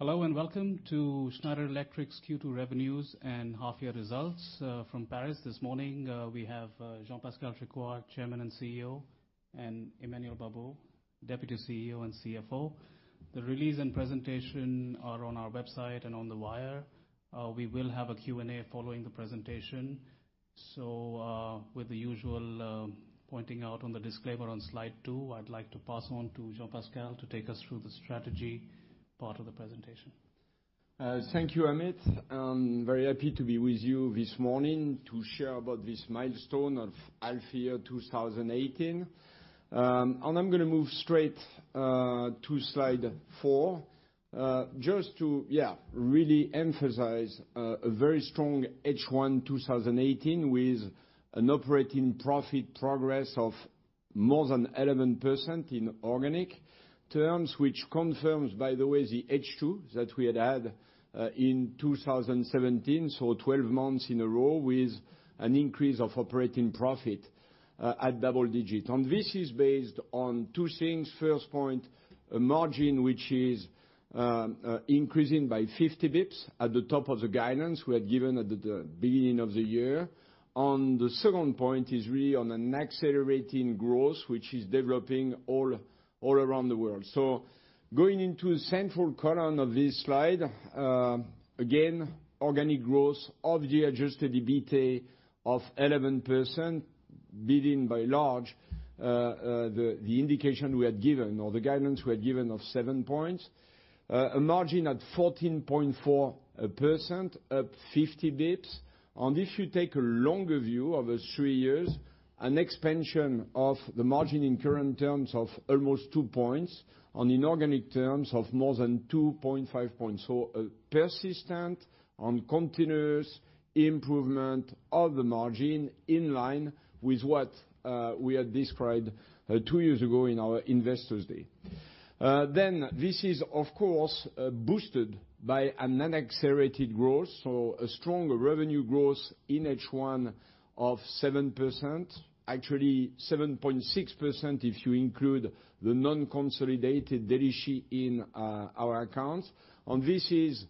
Hello, welcome to Schneider Electric's Q2 revenues and half-year results. From Paris this morning, we have Jean-Pascal Tricoire, Chairman and CEO, and Emmanuel Babeau, Deputy CEO and CFO. The release and presentation are on our website and on the wire. We will have a Q&A following the presentation. With the usual pointing out on the disclaimer on slide two, I'd like to pass on to Jean-Pascal to take us through the strategy part of the presentation. Thank you, Amit. I'm very happy to be with you this morning to share about this milestone of half year 2018. I'm going to move straight to slide four. Just to really emphasize a very strong H1 2018 with an operating profit progress of more than 11% in organic terms, which confirms, by the way, the H2 that we had had in 2017, 12 months in a row, with an increase of operating profit at double digit. This is based on two things. First point, a margin, which is increasing by 50 basis points at the top of the guidance we had given at the beginning of the year. The second point is really on an accelerating growth, which is developing all around the world. Going into the central column of this slide, again, organic growth of the adjusted EBITA of 11%, beating by large, the indication we had given or the guidance we had given of seven points. A margin at 14.4%, up 50 basis points. If you take a longer view of the three years, an expansion of the margin in current terms of almost two points, and in organic terms of more than 2.5 points. A persistent and continuous improvement of the margin in line with what we had described two years ago in our Investors Day. This is, of course, boosted by an accelerated growth, a stronger revenue growth in H1 of 7%, actually 7.6% if you include the non-consolidated Delixi in our accounts. This is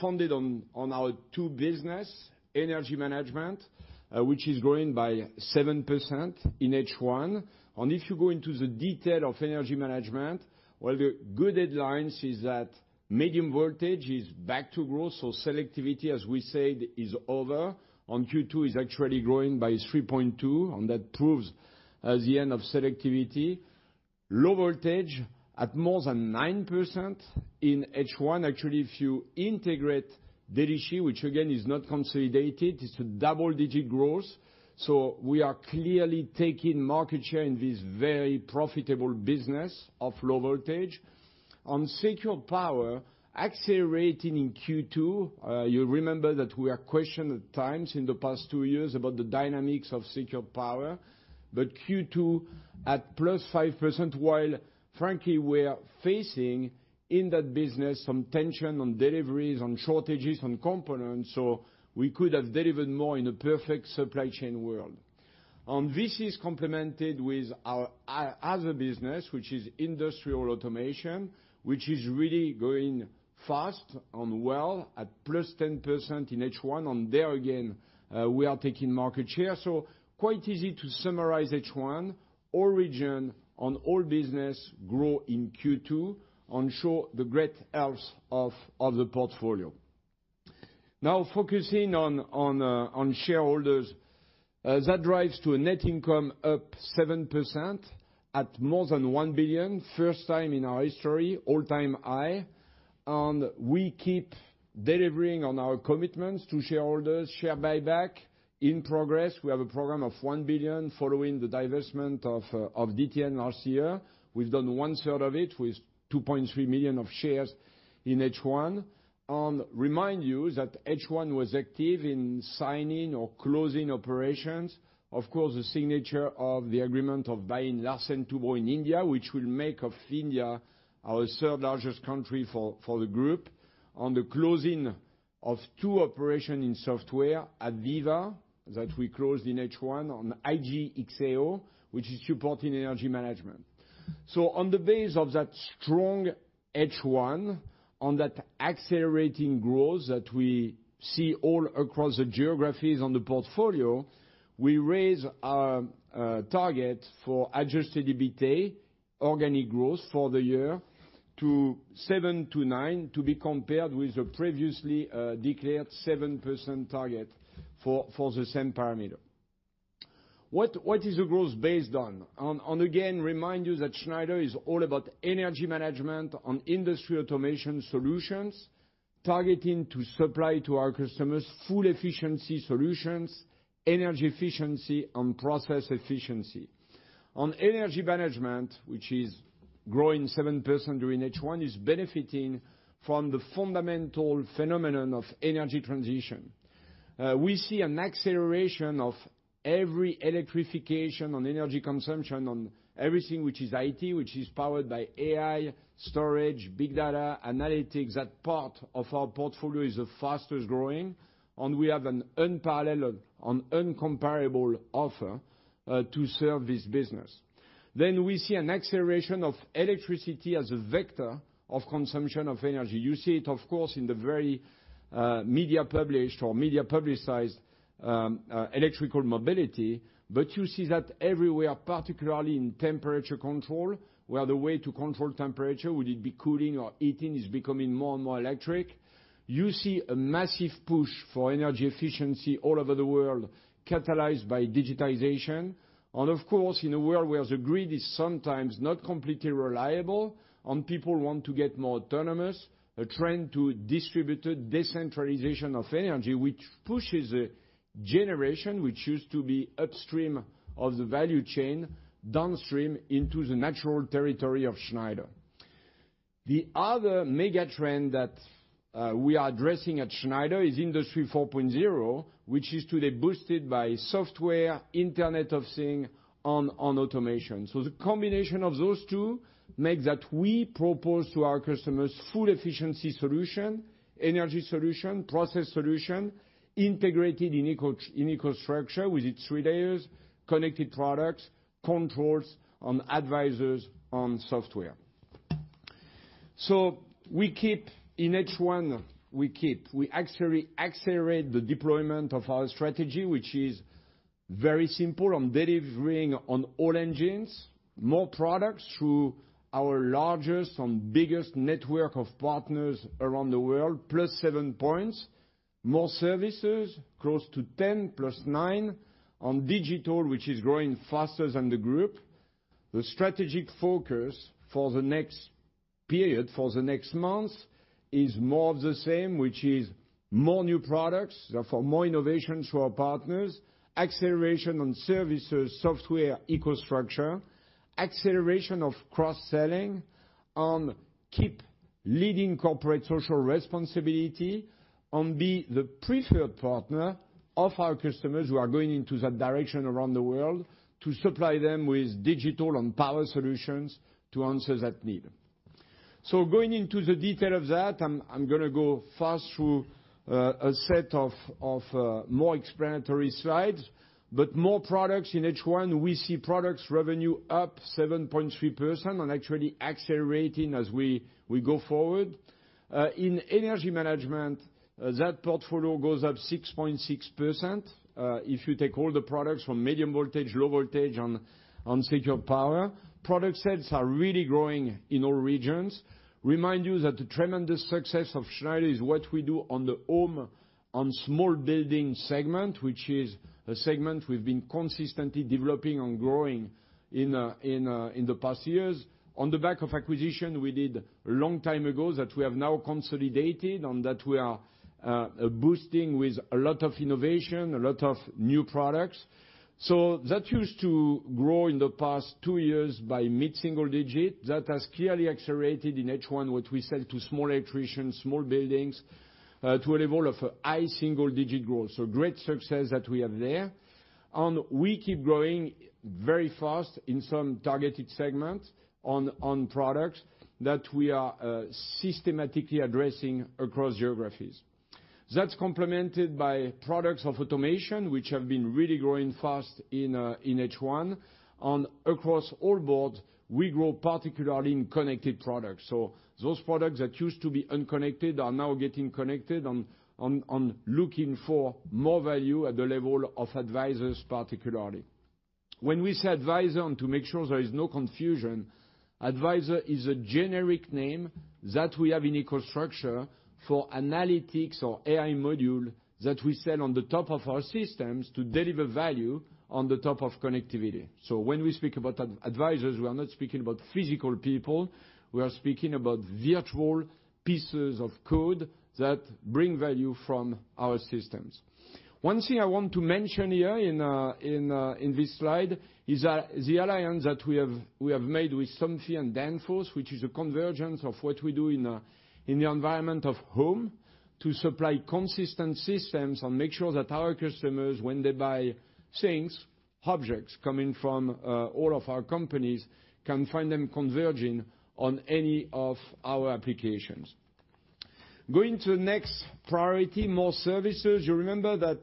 funded on our two business, Energy Management, which is growing by 7% in H1. If you go into the detail of Energy Management, well, the good headlines is that Medium Voltage is back to growth, so selectivity, as we said, is over, and Q2 is actually growing by 3.2%, and that proves as the end of selectivity. Low Voltage at more than 9% in H1. Actually, if you integrate Delixi, which again, is not consolidated, it's a double-digit growth. We are clearly taking market share in this very profitable business of Low Voltage. On Secure Power, accelerating in Q2, you remember that we are questioned at times in the past two years about the dynamics of Secure Power, but Q2 at +5%, while frankly, we're facing in that business some tension on deliveries, on shortages on components. We could have delivered more in a perfect supply chain world. This is complemented with our other business, which is industrial automation, which is really growing fast and well at plus 10% in H1. There again, we are taking market share. Quite easy to summarize H1, all regions on all businesses grow in Q2 and show the great health of the portfolio. Now focusing on shareholders. That drives to a net income up 7% at more than 1 billion, first time in our history, all-time high. We keep delivering on our commitments to shareholders, share buyback in progress. We have a program of 1 billion following the divestment of DTN last year. We've done one third of it with 2.3 million shares in H1. Remind you that H1 was active in signing or closing operations. The signature of the agreement of buying Larsen & Toubro in India, which will make of India our third-largest country for the group. The closing of two operations in software, AVEVA, that we closed in H1, and IGE+XAO, which is supporting energy management. On the base of that strong H1, on that accelerating growth that we see all across the geographies on the portfolio, we raise our target for adjusted EBITA organic growth for the year to 7%-9%, to be compared with the previously declared 7% target for the same parameter. What is the growth based on? Again, remind me that Schneider is all about energy management and industry automation solutions, targeting to supply to our customers full efficiency solutions, energy efficiency and process efficiency. On energy management, which is growing 7% during H1, is benefiting from the fundamental phenomenon of energy transition. We see an acceleration of electrification and energy consumption, and everything which is IT, which is powered by AI, storage, big data analytics. That part of our portfolio is the fastest-growing, and we have an unparalleled and incomparable offer to serve this business. We see an acceleration of electricity as a vector of consumption of energy. You see it, of course, in the very media-published or media-publicized electrical mobility, but you see that everywhere, particularly in temperature control, where the way to control temperature, whether it be cooling or heating, is becoming more and more electric. You see a massive push for energy efficiency all over the world, catalyzed by digitization. Of course, in a world where the grid is sometimes not completely reliable and people want to get more autonomous, a trend to distributed decentralization of energy, which pushes a generation which used to be upstream of the value chain, downstream into the natural territory of Schneider. The other mega-trend that we are addressing at Schneider is Industry 4.0, which is today boosted by software, Internet of Things, and automation. The combination of those two make that we propose to our customers full efficiency solutions, energy solutions, process solutions, integrated in EcoStruxure with its three layers: connected products, controls, and advisors on software. In H1, we actually accelerate the deployment of our strategy, which is very simple, on delivering on all engines, more products through our largest and biggest network of partners around the world, plus 7 points. More services, close to 10 plus nine on digital, which is growing faster than the group. The strategic focus for the next period, for the next months, is more of the same, which is more new products, therefore more innovations for our partners, acceleration on services, software, EcoStruxure, acceleration of cross-selling, and keep leading corporate social responsibility, and be the preferred partner of our customers who are going into that direction around the world to supply them with digital and power solutions to answer that need. Going into the detail of that, I'm going to go fast through a set of more explanatory slides. More products in H1, we see products revenue up 7.3% and actually accelerating as we go forward. In energy management, that portfolio goes up 6.6%. If you take all the products from medium voltage, low voltage, and secure power, product sales are really growing in all regions. Remind you that the tremendous success of Schneider is what we do on the home, on small building segment, which is a segment we've been consistently developing and growing in the past years. On the back of acquisition we did a long time ago that we have now consolidated and that we are boosting with a lot of innovation, a lot of new products. That used to grow in the past two years by mid-single digit. That has clearly accelerated in H1, what we sell to small electricians, small buildings, to a level of high single digit growth. Great success that we have there. We keep growing very fast in some targeted segments on products that we are systematically addressing across geographies. That's complemented by products of automation, which have been really growing fast in H1. Across the board, we grow particularly in connected products. Those products that used to be unconnected are now getting connected and looking for more value at the level of advisors, particularly. When we say advisor, and to make sure there is no confusion, advisor is a generic name that we have in EcoStruxure for analytics or AI module that we sell on the top of our systems to deliver value on the top of connectivity. When we speak about advisors, we are not speaking about physical people, we are speaking about virtual pieces of code that bring value from our systems. One thing I want to mention here in this slide is the alliance that we have made with Somfy and Danfoss, which is a convergence of what we do in the environment of home to supply consistent systems and make sure that our customers, when they buy things, objects coming from all of our companies, can find them converging on any of our applications. Going to the next priority, more services. You remember that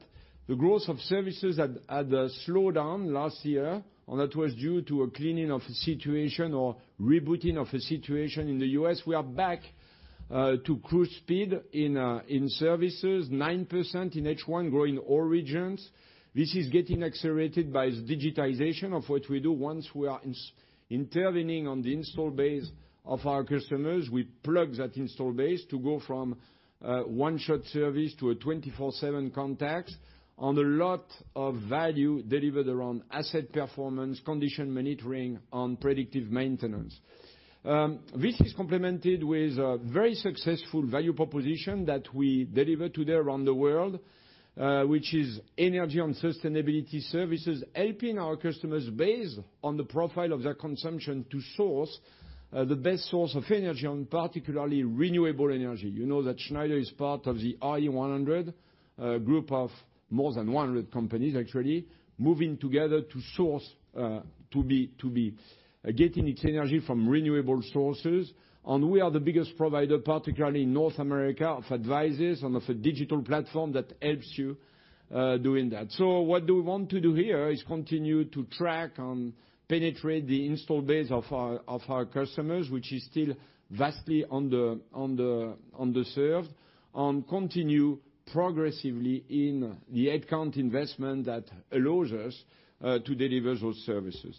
the growth of services had a slowdown last year, that was due to a cleaning of a situation or rebooting of a situation in the U.S. We are back to cruise speed in services, 9% in H1, growing all regions. This is getting accelerated by digitization of what we do. Once we are intervening on the install base of our customers, we plug that install base to go from one-shot service to a 24/7 contact, and a lot of value delivered around asset performance, condition monitoring, and predictive maintenance. This is complemented with a very successful value proposition that we deliver today around the world, which is energy and sustainability services, helping our customers based on the profile of their consumption to source the best source of energy, and particularly renewable energy. You know that Schneider is part of the RE100, a group of more than 100 companies actually, moving together to get its energy from renewable sources. And we are the biggest provider, particularly in North America, of advisors and of a digital platform that helps you doing that. What do we want to do here is continue to track and penetrate the install base of our customers, which is still vastly underserved, and continue progressively in the head count investment that allows us to deliver those services.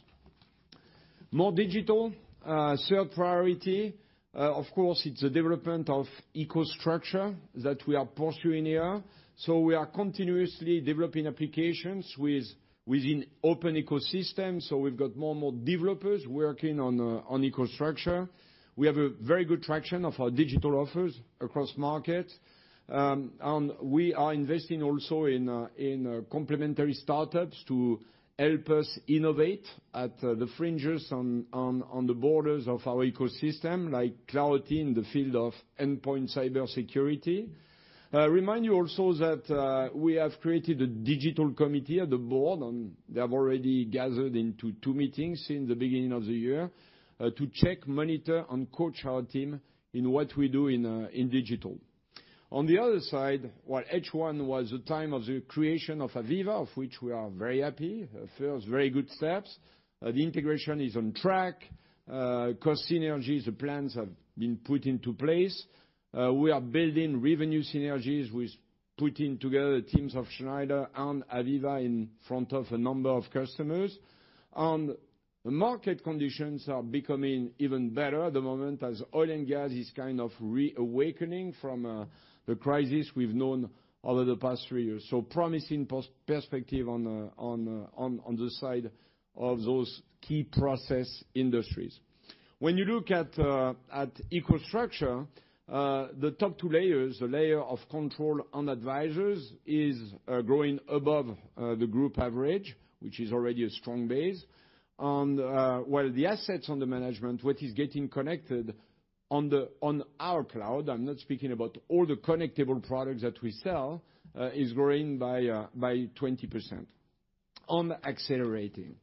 More digital, third priority, of course, it's the development of EcoStruxure that we are pursuing here. We are continuously developing applications within open ecosystems. We've got more and more developers working on EcoStruxure. We have a very good traction of our digital offers across market. And we are investing also in complementary startups to help us innovate at the fringes on the borders of our ecosystem, like Claroty, the field of endpoint cybersecurity. Remind you also that we have created a digital committee at the board, and they have already gathered into two meetings since the beginning of the year, to check, monitor, and coach our team in what we do in digital. On the other side, while H1 was the time of the creation of AVEVA, of which we are very happy, feels very good steps. The integration is on track. Cost synergies, the plans have been put into place. We are building revenue synergies with putting together teams of Schneider and AVEVA in front of a number of customers. And the market conditions are becoming even better at the moment as oil and gas is kind of reawakening from the crisis we've known over the past three years. Promising perspective on this side of those key process industries. When you look at EcoStruxure, the top two layers, the layer of control on advisors, is growing above the group average, which is already a strong base. And while the assets under management, what is getting connected on our cloud, I'm not speaking about all the connectable products that we sell, is growing by 20%, on accelerating.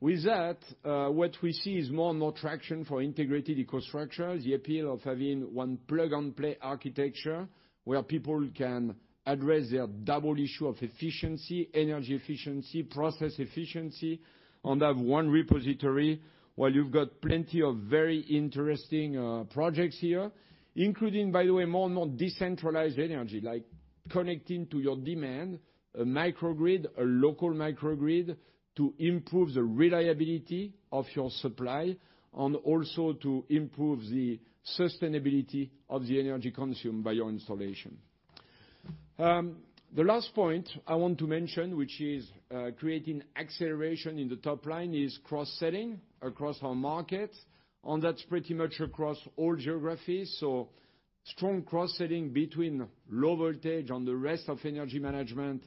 With that, what we see is more and more traction for integrated EcoStruxure, the appeal of having one plug-and-play architecture where people can address their double issue of efficiency, energy efficiency, process efficiency, on that one repository, while you've got plenty of very interesting projects here, including, by the way, more and more decentralized energy, like connecting to your demand, a microgrid, a local microgrid, to improve the reliability of your supply and also to improve the sustainability of the energy consumed by your installation. The last point I want to mention, which is creating acceleration in the top line, is cross-selling across our market, and that's pretty much across all geographies. Strong cross-selling between low voltage and the rest of energy management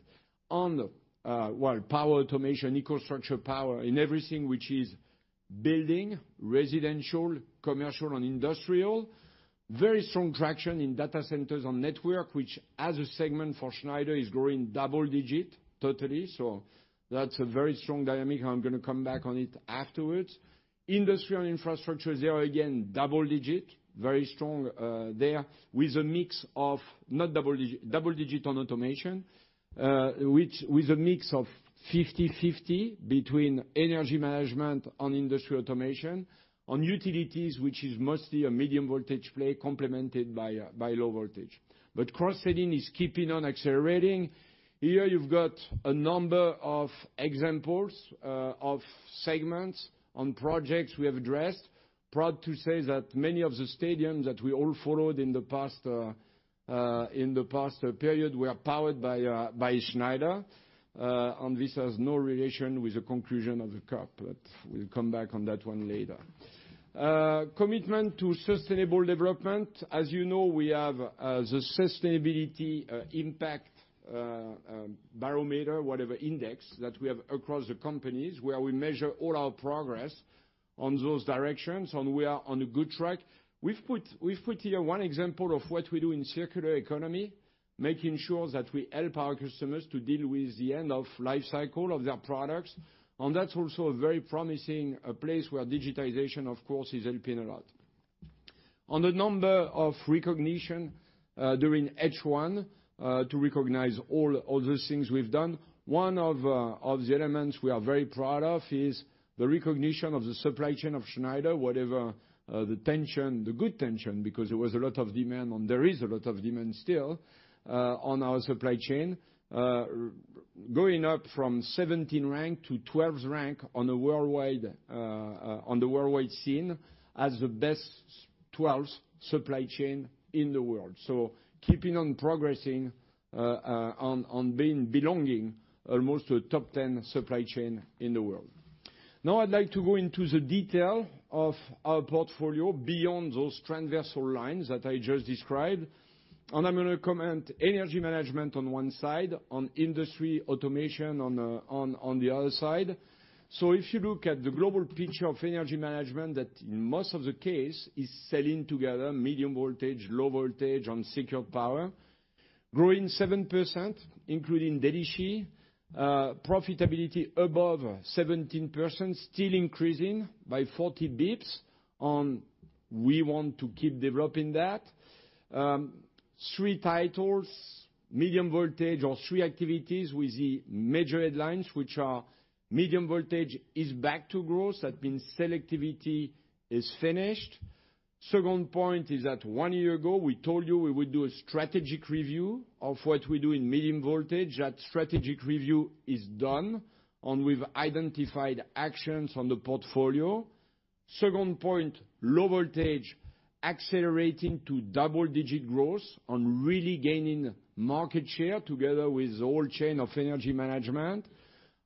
on, well, power automation, EcoStruxure Power in everything which is building, residential, commercial, and industrial. Very strong traction in data centers on network, which as a segment for Schneider Electric is growing double-digit totally. That's a very strong dynamic. I'm going to come back on it afterwards. Industry and infrastructure there, again, double-digit, very strong there with a mix of double-digit on automation, with a mix of 50/50 between energy management and industry automation on utilities, which is mostly a medium voltage play complemented by low voltage. But cross-selling is keeping on accelerating. Here you've got a number of examples of segments on projects we have addressed. Proud to say that many of the stadiums that we all followed in the past period were powered by Schneider. This has no relation with the conclusion of the Cup, but we'll come back on that one later. Commitment to sustainable development. As you know, we have the sustainability impact barometer, whatever index that we have across the companies, where we measure all our progress on those directions, and we are on a good track. We've put here one example of what we do in circular economy, making sure that we help our customers to deal with the end-of-life cycle of their products. That's also a very promising place where digitization, of course, is helping a lot. On the number of recognition during H1 to recognize all the things we've done, one of the elements we are very proud of is the recognition of the supply chain of Schneider, whatever the tension, the good tension, because there was a lot of demand and there is a lot of demand still on our supply chain, going up from 17th rank to 12th rank on the worldwide scene as the best 12th supply chain in the world. So keeping on progressing on being belonging almost to top 10 supply chain in the world. I'd like to go into the detail of our portfolio beyond those transversal lines that I just described. And I'm going to comment energy management on one side, on industry automation on the other side. If you look at the global picture of energy management, that in most of the case is selling together medium voltage, low voltage, and secure power. Growing 7%, including Delixi Electric, profitability above 17%, still increasing by 40 basis points, and we want to keep developing that. Three titles, medium voltage, or three activities with the major headlines, which are medium voltage is back to growth. That means selectivity is finished. Second point is that one year ago, we told you we would do a strategic review of what we do in medium voltage. That strategic review is done, and we've identified actions on the portfolio. Second point, low voltage accelerating to double-digit growth and really gaining market share together with all chain of energy management.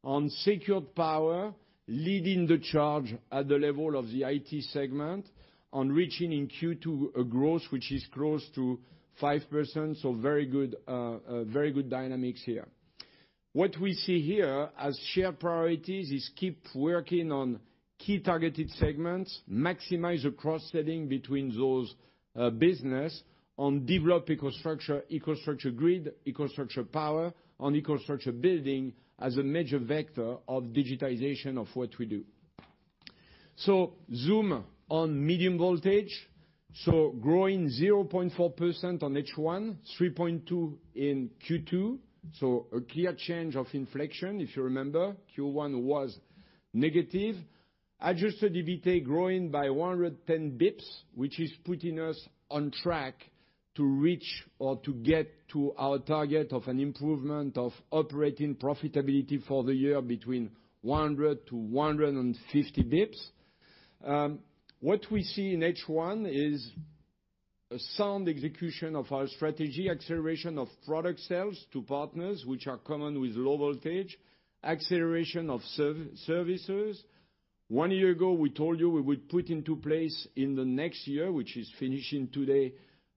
On Secured Power,, leading the charge at the level of the IT segment, reaching in Q2 a growth which is close to 5%, very good dynamics here. What we see here as shared priorities is keep working on key targeted segments, maximize the cross-selling between those businesses and develop EcoStruxure Grid, EcoStruxure Power, and EcoStruxure Building as a major vector of digitization of what we do. Zoom on medium voltage. Growing 0.4% on H1, 3.2% in Q2. A clear change of inflection, if you remember, Q1 was negative. adjusted EBITA growing by 110 basis points, which is putting us on track to reach or to get to our target of an improvement of operating profitability for the year between 100 to 150 basis points. What we see in H1 is a sound execution of our strategy, acceleration of product sales to partners which are common with low voltage, acceleration of services. One year ago, we told you we would put into place in the next year, which is finishing today,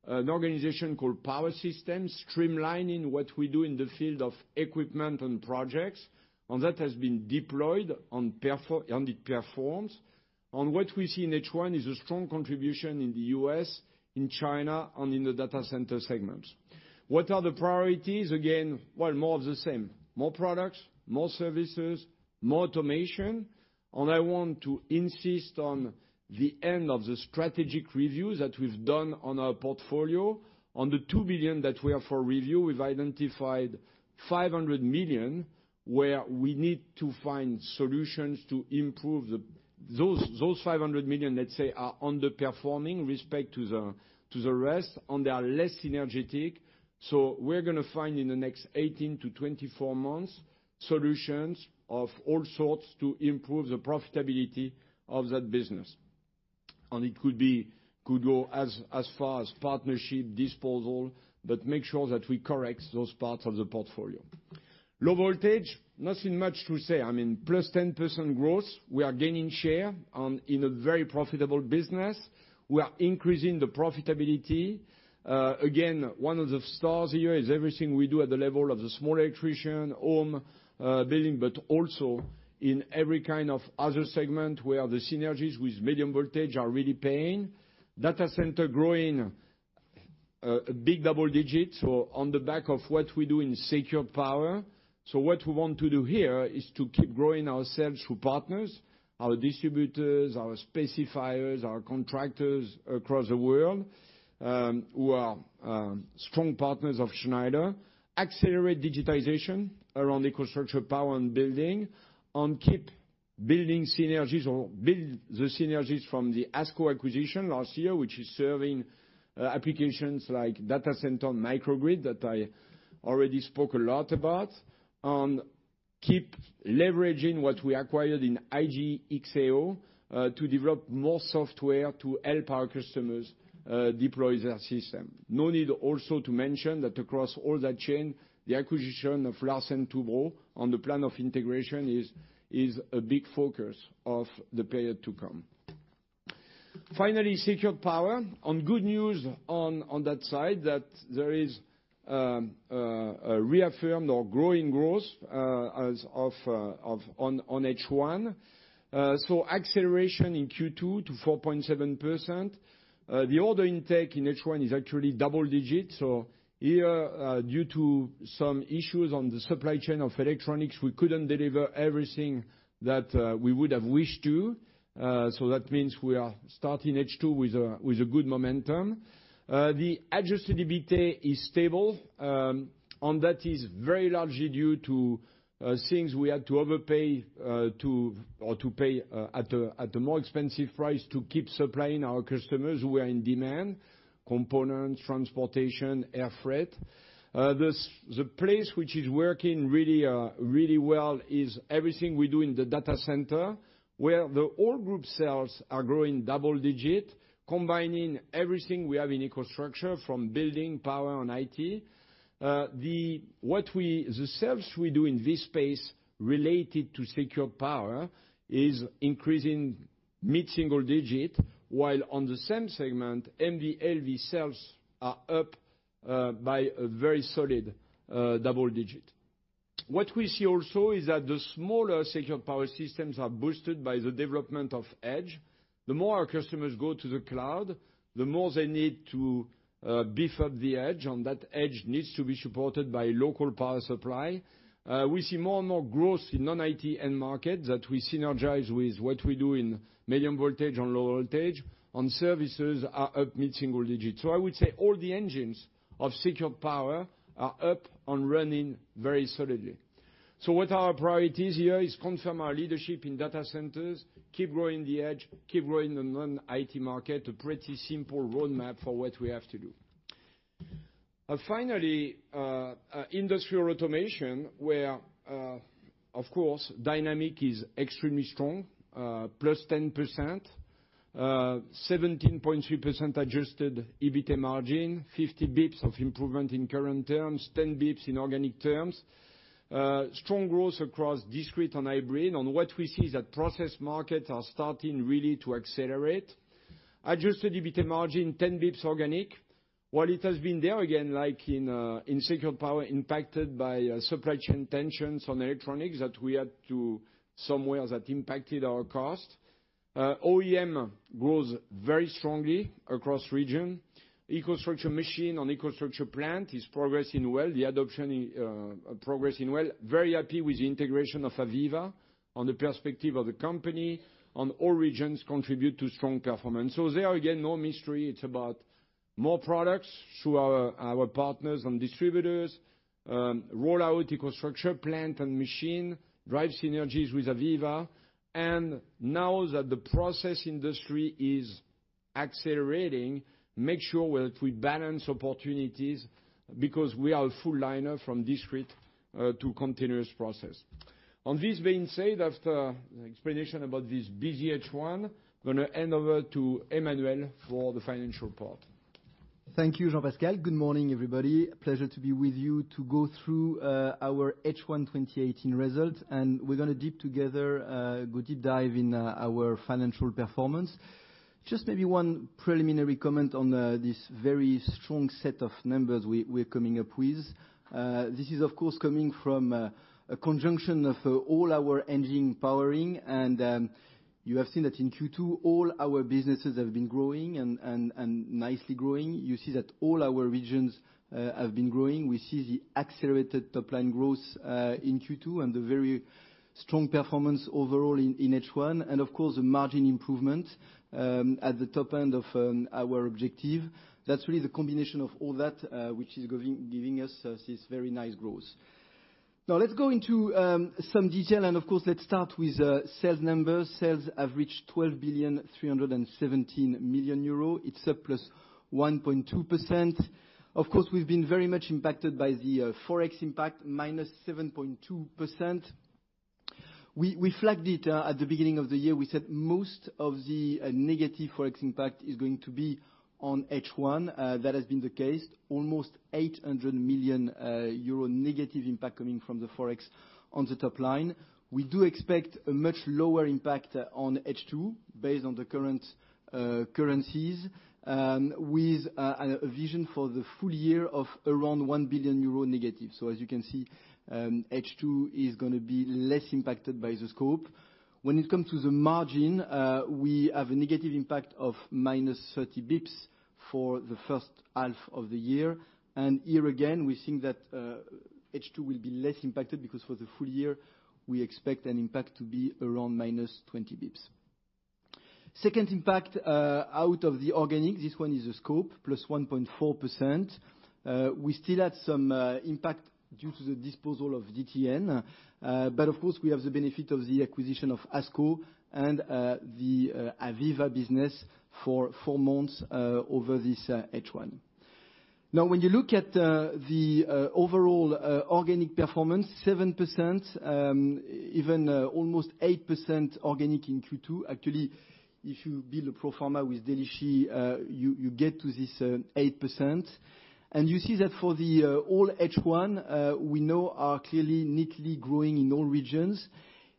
an organization called Power Systems, streamlining what we do in the field of equipment and projects, and that has been deployed and it performs. What we see in H1 is a strong contribution in the U.S., in China, and in the data center segments. What are the priorities again? More of the same. More products, more services, more automation. I want to insist on the end of the strategic review that we've done on our portfolio. On the 2 billion that we have for review, we've identified 500 million where we need to find solutions to improve the Those 500 million, let's say, are underperforming respect to the rest, and they are less synergetic. We're going to find in the next 18 to 24 months, solutions of all sorts to improve the profitability of that business. It could go as far as partnership disposal, but make sure that we correct those parts of the portfolio. Low voltage, nothing much to say. +10% growth. We are gaining share in a very profitable business. We are increasing the profitability. Again, one of the stars here is everything we do at the level of the small electrician, home building, but also in every kind of other segment where the synergies with medium voltage are really paying. Data center growing a big double digits on the back of what we do in Secured Power,. What we want to do here is to keep growing ourselves through partners, our distributors, our specifiers, our contractors across the world, who are strong partners of Schneider. Accelerate digitization around EcoStruxure Power and EcoStruxure Building, and keep building synergies or build the synergies from the ASCO acquisition last year, which is serving applications like data center and microgrid that I already spoke a lot about. Keep leveraging what we acquired in IGE+XAO, to develop more software to help our customers deploy their system. No need also to mention that across all that chain, the acquisition of Larsen & Toubro and the plan of integration is a big focus of the period to come. Finally, Secured Power,. Good news on that side, that there is a reaffirmed or growing growth on H1. Acceleration in Q2 to 4.7%. The order intake in H1 is actually double-digit. Here, due to some issues on the supply chain of electronics, we couldn't deliver everything that we would have wished to. That means we are starting H2 with a good momentum. The adjusted EBITA is stable. That is very largely due to things we had to overpay or to pay at a more expensive price to keep supplying our customers who were in demand: components, transportation, air freight. The place which is working really well is everything we do in the data center, where the all group sales are growing double-digit, combining everything we have in EcoStruxure from building, power, and IT. The sales we do in this space related to Secured Power, is increasing mid-single-digit, while on the same segment, MV/LV sales are up by a very solid double-digit. What we see also is that the smaller Secured Power, systems are boosted by the development of edge. The more our customers go to the cloud, the more they need to beef up the edge, and that edge needs to be supported by local power supply. We see more and more growth in non-IT end markets that we synergize with what we do in medium voltage and low voltage, and services are up mid-single-digits. I would say all the engines of Secured Power, are up and running very solidly. What our priorities here is confirm our leadership in data centers, keep growing the edge, keep growing the non-IT market. A pretty simple roadmap for what we have to do. Finally, industrial automation, where, of course, dynamic is extremely strong, +10%, 17.3% adjusted EBITA margin, 50 basis points of improvement in current terms, 10 basis points in organic terms. Strong growth across discrete and hybrid. What we see is that process markets are starting really to accelerate. Adjusted EBITA margin 10 basis points organic. While it has been there again, like in Secured Power,, impacted by supply chain tensions on electronics that we had to somewhere that impacted our cost. OEM grows very strongly across region. EcoStruxure Machine and EcoStruxure Plant is progressing well. The adoption is progressing well. Very happy with the integration of AVEVA and the perspective of the company, and all regions contribute to strong performance. There, again, no mystery. It's about more products through our partners and distributors, roll out EcoStruxure Plant and EcoStruxure Machine, drive synergies with AVEVA, and now that the process industry is accelerating, make sure that we balance opportunities because we are a full liner from discrete to continuous process. This being said, after the explanation about this busy H1, I'm going to hand over to Emmanuel for the financial part. Thank you, Jean-Pascal. Good morning, everybody. Pleasure to be with you to go through our H1 2018 results. We're going to go deep dive in our financial performance. Just maybe one preliminary comment on this very strong set of numbers we're coming up with. This is, of course, coming from a conjunction of all our engine powering. You have seen that in Q2, all our businesses have been growing and nicely growing. You see that all our regions have been growing. We see the accelerated top-line growth in Q2 and the very strong performance overall in H1. Of course, the margin improvement, at the top end of our objective. That's really the combination of all that, which is giving us this very nice growth. Let's go into some detail and of course, let's start with sales numbers. Sales have reached 12 billion, 317 million. It's up +1.2%. Of course, we've been very much impacted by the Forex impact, -7.2%. We flagged it at the beginning of the year. We said most of the negative Forex impact is going to be on H1. That has been the case. Almost 800 million euro negative impact coming from the Forex on the top line. We do expect a much lower impact on H2, based on the current currencies, with a vision for the full year of around 1 billion euro negative. As you can see, H2 is going to be less impacted by the scope. When it comes to the margin, we have a negative impact of -30 basis points for the first half of the year. Here again, we think that H2 will be less impacted because for the full year, we expect an impact to be around -20 basis points. Second impact out of the organic, this one is the scope, +1.4%. We still had some impact due to the disposal of DTN. Of course, we have the benefit of the acquisition of ASCO and the AVEVA business for four months over this H1. When you look at the overall organic performance, 7%, even almost 8% organic in Q2. Actually, if you build a pro forma with Delixi, you get to this 8%. You see that for the whole H1, we are clearly neatly growing in all regions.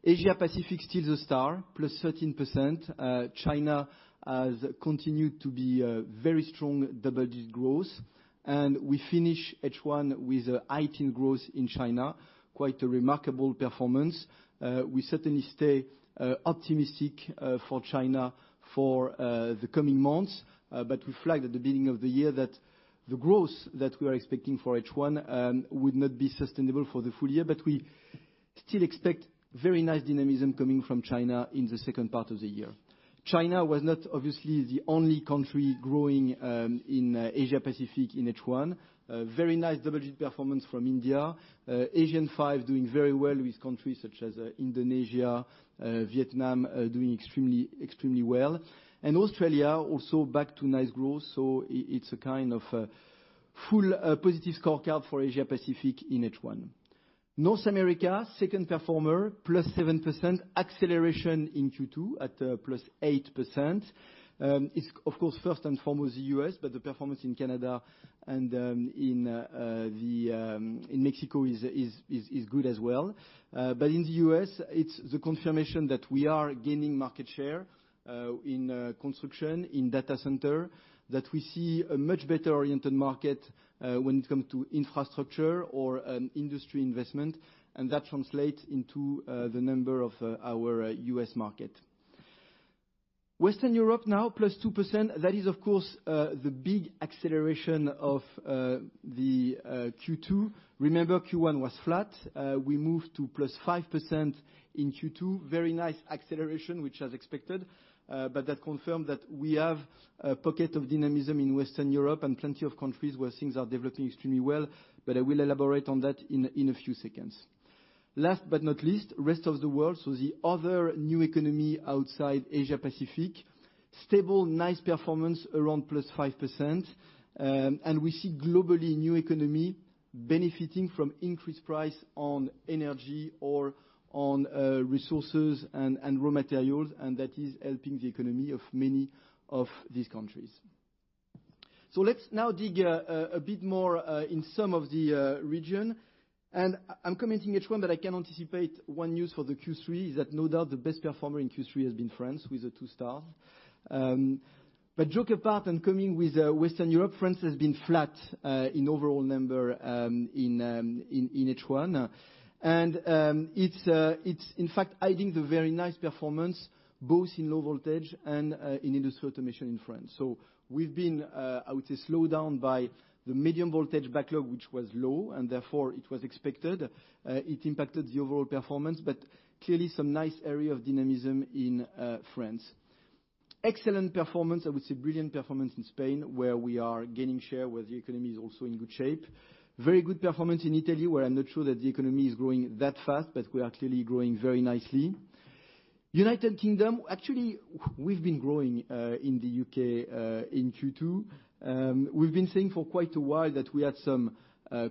Asia Pacific still the star, +13%. China has continued to be very strong double-digit growth. We finish H1 with 18 growth in China. Quite a remarkable performance. We certainly stay optimistic for China for the coming months. We flagged at the beginning of the year that the growth that we are expecting for H1 would not be sustainable for the full year. We still expect very nice dynamism coming from China in the second part of the year. China was not obviously the only country growing in Asia Pacific in H1. A very nice double-digit performance from India. Major 5 Asia doing very well with countries such as Indonesia, Vietnam doing extremely well. Australia also back to nice growth, so it's a kind of full positive scorecard for Asia Pacific in H1. North America, second performer, +7%, acceleration in Q2 at +8%. It's of course, first and foremost the U.S., but the performance in Canada and in Mexico is good as well. In the U.S., it's the confirmation that we are gaining market share in construction, in data center, that we see a much better oriented market when it comes to infrastructure or industry investment, and that translates into the number of our U.S. market. Western Europe now +2%. That is, of course, the big acceleration of the Q2. Remember, Q1 was flat. We moved to +5% in Q2. Very nice acceleration, which as expected, that confirmed that we have a pocket of dynamism in Western Europe and plenty of countries where things are developing extremely well, but I will elaborate on that in a few seconds. Last but not least, rest of the world. The other new economy outside Asia-Pacific. Stable, nice performance around +5%. We see globally new economy benefiting from increased price on energy or on resources and raw materials, and that is helping the economy of many of these countries. Let's now dig a bit more in some of the region, and I'm commenting H1, but I can anticipate one news for the Q3 is that no doubt the best performer in Q3 has been France with a two star. Joke apart, coming with Western Europe, France has been flat in overall number in H1. It's in fact hiding the very nice performance both in low voltage and in industrial automation in France. We've been, I would say, slowed down by the medium voltage backlog, which was low, and therefore it was expected. It impacted the overall performance, but clearly some nice area of dynamism in France. Excellent performance, I would say brilliant performance in Spain, where we are gaining share, where the economy is also in good shape. Very good performance in Italy, where I'm not sure that the economy is growing that fast, but we are clearly growing very nicely. United Kingdom, actually, we've been growing, in the U.K., in Q2. We've been saying for quite a while that we had some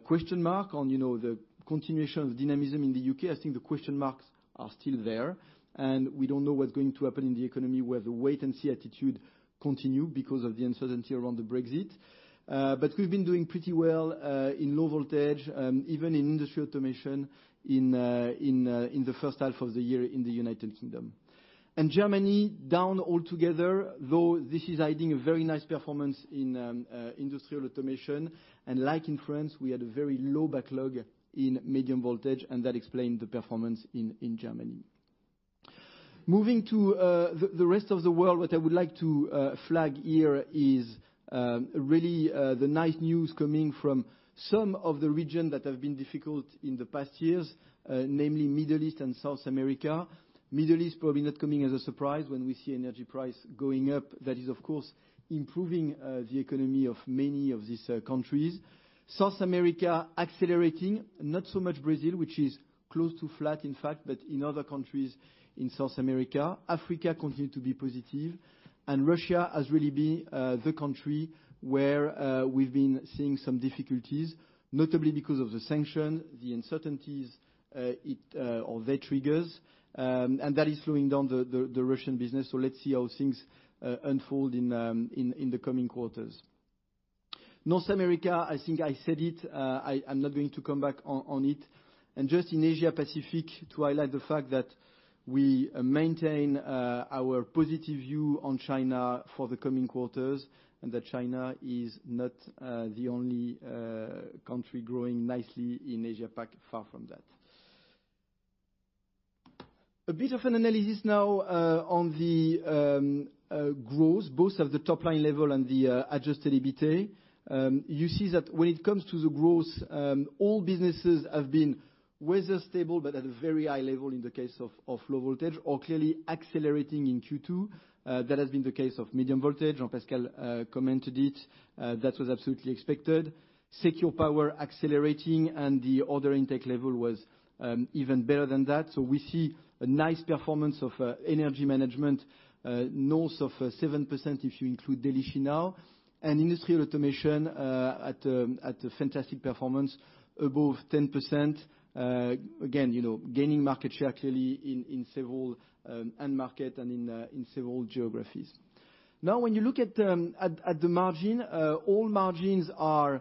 question mark on the continuation of dynamism in the U.K. I think the question marks are still there, and we don't know what's going to happen in the economy, where the wait and see attitude continue because of the uncertainty around the Brexit. We've been doing pretty well, in low voltage, even in industrial automation in the first half of the year in the United Kingdom. Germany down altogether, though this is hiding a very nice performance in industrial automation. Like in France, we had a very low backlog in medium voltage, and that explained the performance in Germany. Moving to the rest of the world, what I would like to flag here is really the nice news coming from some of the region that have been difficult in the past years, namely Middle East and South America. Middle East probably not coming as a surprise when we see energy price going up. That is, of course, improving the economy of many of these countries. South America accelerating, not so much Brazil, which is close to flat, in fact, but in other countries in South America. Africa continue to be positive. Russia has really been the country where we've been seeing some difficulties, notably because of the sanction, the uncertainties or their triggers. That is slowing down the Russian business, let's see how things unfold in the coming quarters. North America, I think I said it. I'm not going to come back on it. Just in Asia Pacific, to highlight the fact that we maintain our positive view on China for the coming quarters, and that China is not the only country growing nicely in Asia Pac, far from that. A bit of an analysis now on the growth, both of the top-line level and the adjusted EBITA. You see that when it comes to the growth, all businesses have been whether stable but at a very high level in the case of low voltage or clearly accelerating in Q2. That has been the case of medium voltage. Jean-Pascal commented it. That was absolutely expected. Secure Power accelerating and the order intake level was even better than that. We see a nice performance of Energy Management, north of 7% if you include Delixi now. Industrial Automation at a fantastic performance above 10%. Again, gaining market share clearly in several end market and in several geographies. When you look at the margin, all margins are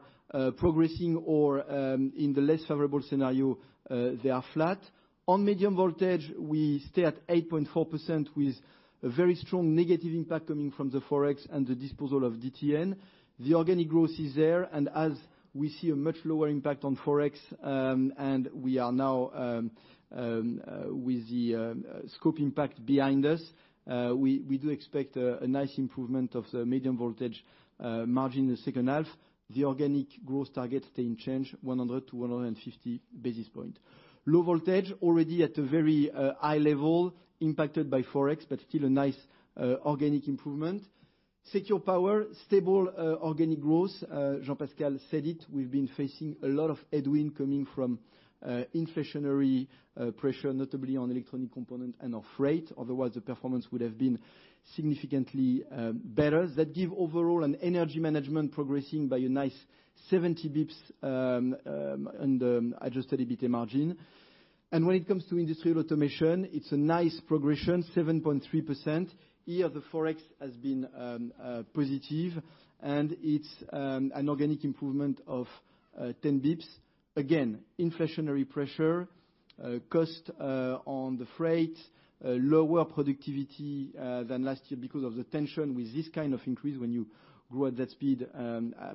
progressing or, in the less favorable scenario, they are flat. On medium voltage, we stay at 8.4% with a very strong negative impact coming from the Forex and the disposal of DTN. The organic growth is there, and as we see a much lower impact on Forex, and we are now with the scope impact behind us, we do expect a nice improvement of the medium voltage margin in the second half. The organic growth target stay in change 100 to 150 basis points. Low voltage already at a very high level, impacted by Forex, but still a nice organic improvement. Secure Power, stable organic growth. Jean-Pascal said it, we've been facing a lot of headwind coming from inflationary pressure, notably on electronic component and on freight. Otherwise, the performance would have been significantly better. That gives overall an Energy Management progressing by a nice 70 basis points under adjusted EBITA margin. When it comes to Industrial Automation, it's a nice progression, 7.3%. Here, the Forex has been positive, and it's an organic improvement of 10 basis points. Again, inflationary pressure, cost on the freight, lower productivity than last year because of the tension with this kind of increase when you grow at that speed,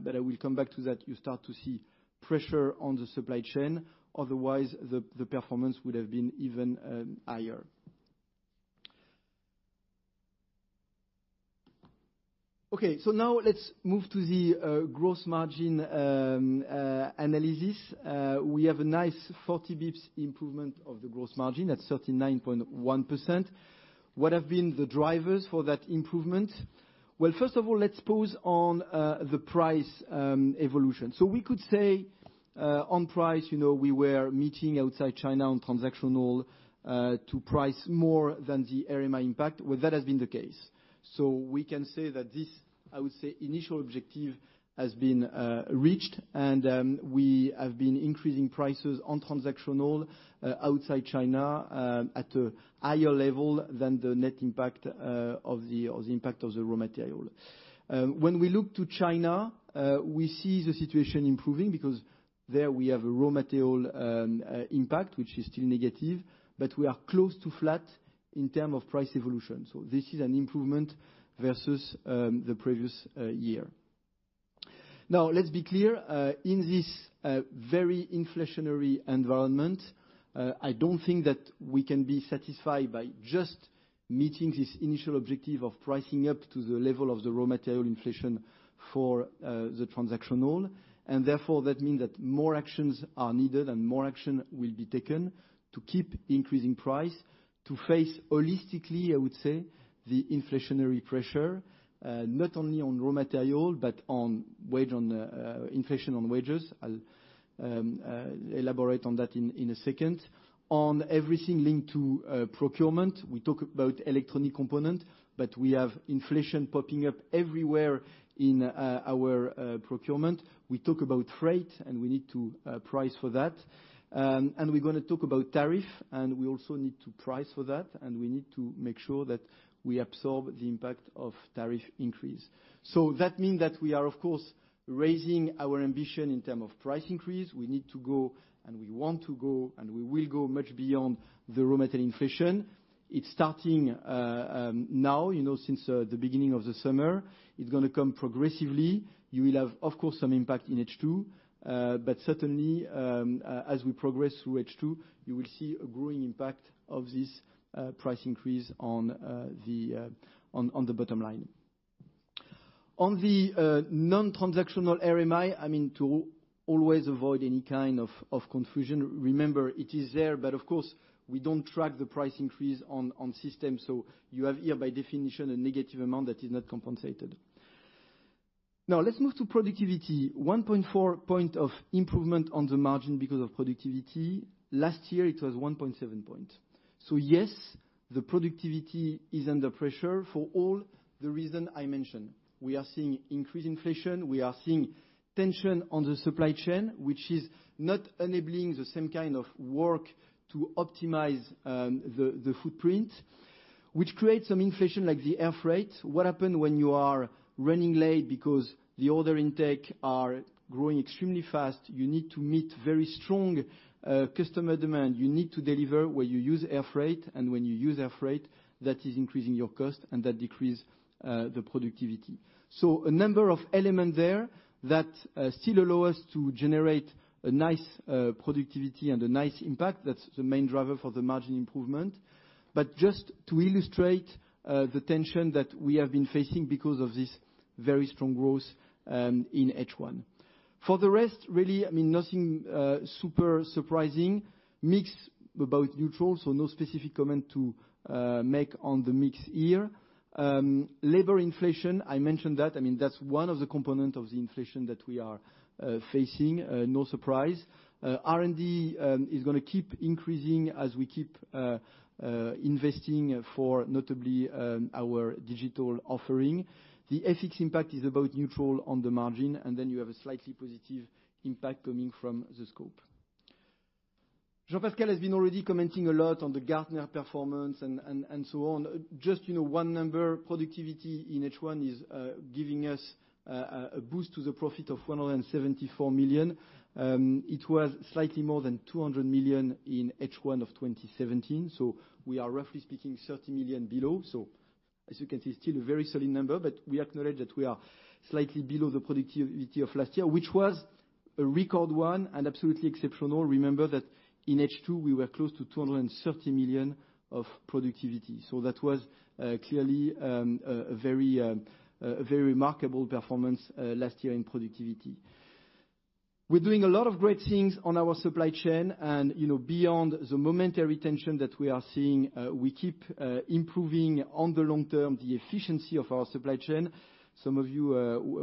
but I will come back to that. You start to see pressure on the supply chain. Otherwise, the performance would have been even higher. Now let's move to the gross margin analysis. We have a nice 40 basis points improvement of the gross margin at 39.1%. What have been the drivers for that improvement? First of all, let's pause on the price evolution. We could say on price, we were meeting outside China on transactional to price more than the RMI impact. That has been the case. We can say that this, I would say initial objective, has been reached and we have been increasing prices on transactional outside China at a higher level than the net impact of the impact of the raw material. When we look to China, we see the situation improving because there we have a raw material impact, which is still negative, but we are close to flat in terms of price evolution. This is an improvement versus the previous year. Let's be clear. In this very inflationary environment, I don't think that we can be satisfied by just meeting this initial objective of pricing up to the level of the raw material inflation for the transactional. Therefore, that means that more actions are needed and more action will be taken to keep increasing price to face holistically, I would say, the inflationary pressure, not only on raw material but on inflation on wages. I'll elaborate on that in a second. On everything linked to procurement, we talk about electronic component, but we have inflation popping up everywhere in our procurement. We talk about freight, and we need to price for that. We're going to talk about tariff, and we also need to price for that, and we need to make sure that we absorb the impact of tariff increase. That mean that we are, of course, raising our ambition in term of price increase. We need to go, we want to go, and we will go much beyond the raw material inflation. It's starting now since the beginning of the summer. It's going to come progressively. You will have, of course, some impact in H2. Certainly, as we progress through H2, you will see a growing impact of this price increase on the bottom line. On the non-transactional RMI, to always avoid any kind of confusion, remember, it is there, but of course, we don't track the price increase on systems. You have here, by definition, a negative amount that is not compensated. Let's move to productivity. 1.4 point of improvement on the margin because of productivity. Last year it was 1.7 point. Yes, the productivity is under pressure for all the reason I mentioned. We are seeing increased inflation. We are seeing tension on the supply chain, which is not enabling the same kind of work to optimize the footprint, which creates some inflation like the air freight. What happen when you are running late because the order intake are growing extremely fast, you need to meet very strong customer demand. You need to deliver where you use air freight, when you use air freight, that is increasing your cost and that decrease the productivity. A number of element there that still allow us to generate a nice productivity and a nice impact. That's the main driver for the margin improvement. But just to illustrate the tension that we have been facing because of this very strong growth in H1. For the rest, really, nothing super surprising. Mix about neutral, no specific comment to make on the mix here. Labor inflation, I mentioned that. That's one of the component of the inflation that we are facing. No surprise. R&D is going to keep increasing as we keep investing for notably, our digital offering. The FX impact is about neutral on the margin, then you have a slightly positive impact coming from the scope. Jean-Pascal has been already commenting a lot on the Gartner performance and so on. Just one number, productivity in H1 is giving us a boost to the profit of 174 million. It was slightly more than 200 million in H1 of 2017, we are roughly speaking 30 million below. As you can see, still a very solid number, but we acknowledge that we are slightly below the productivity of last year, which was a record one and absolutely exceptional. Remember that in H2 we were close to EUR 230 million of productivity. That was clearly a very remarkable performance last year in productivity. We're doing a lot of great things on our supply chain and beyond the momentary tension that we are seeing, we keep improving on the long term the efficiency of our supply chain. Some of you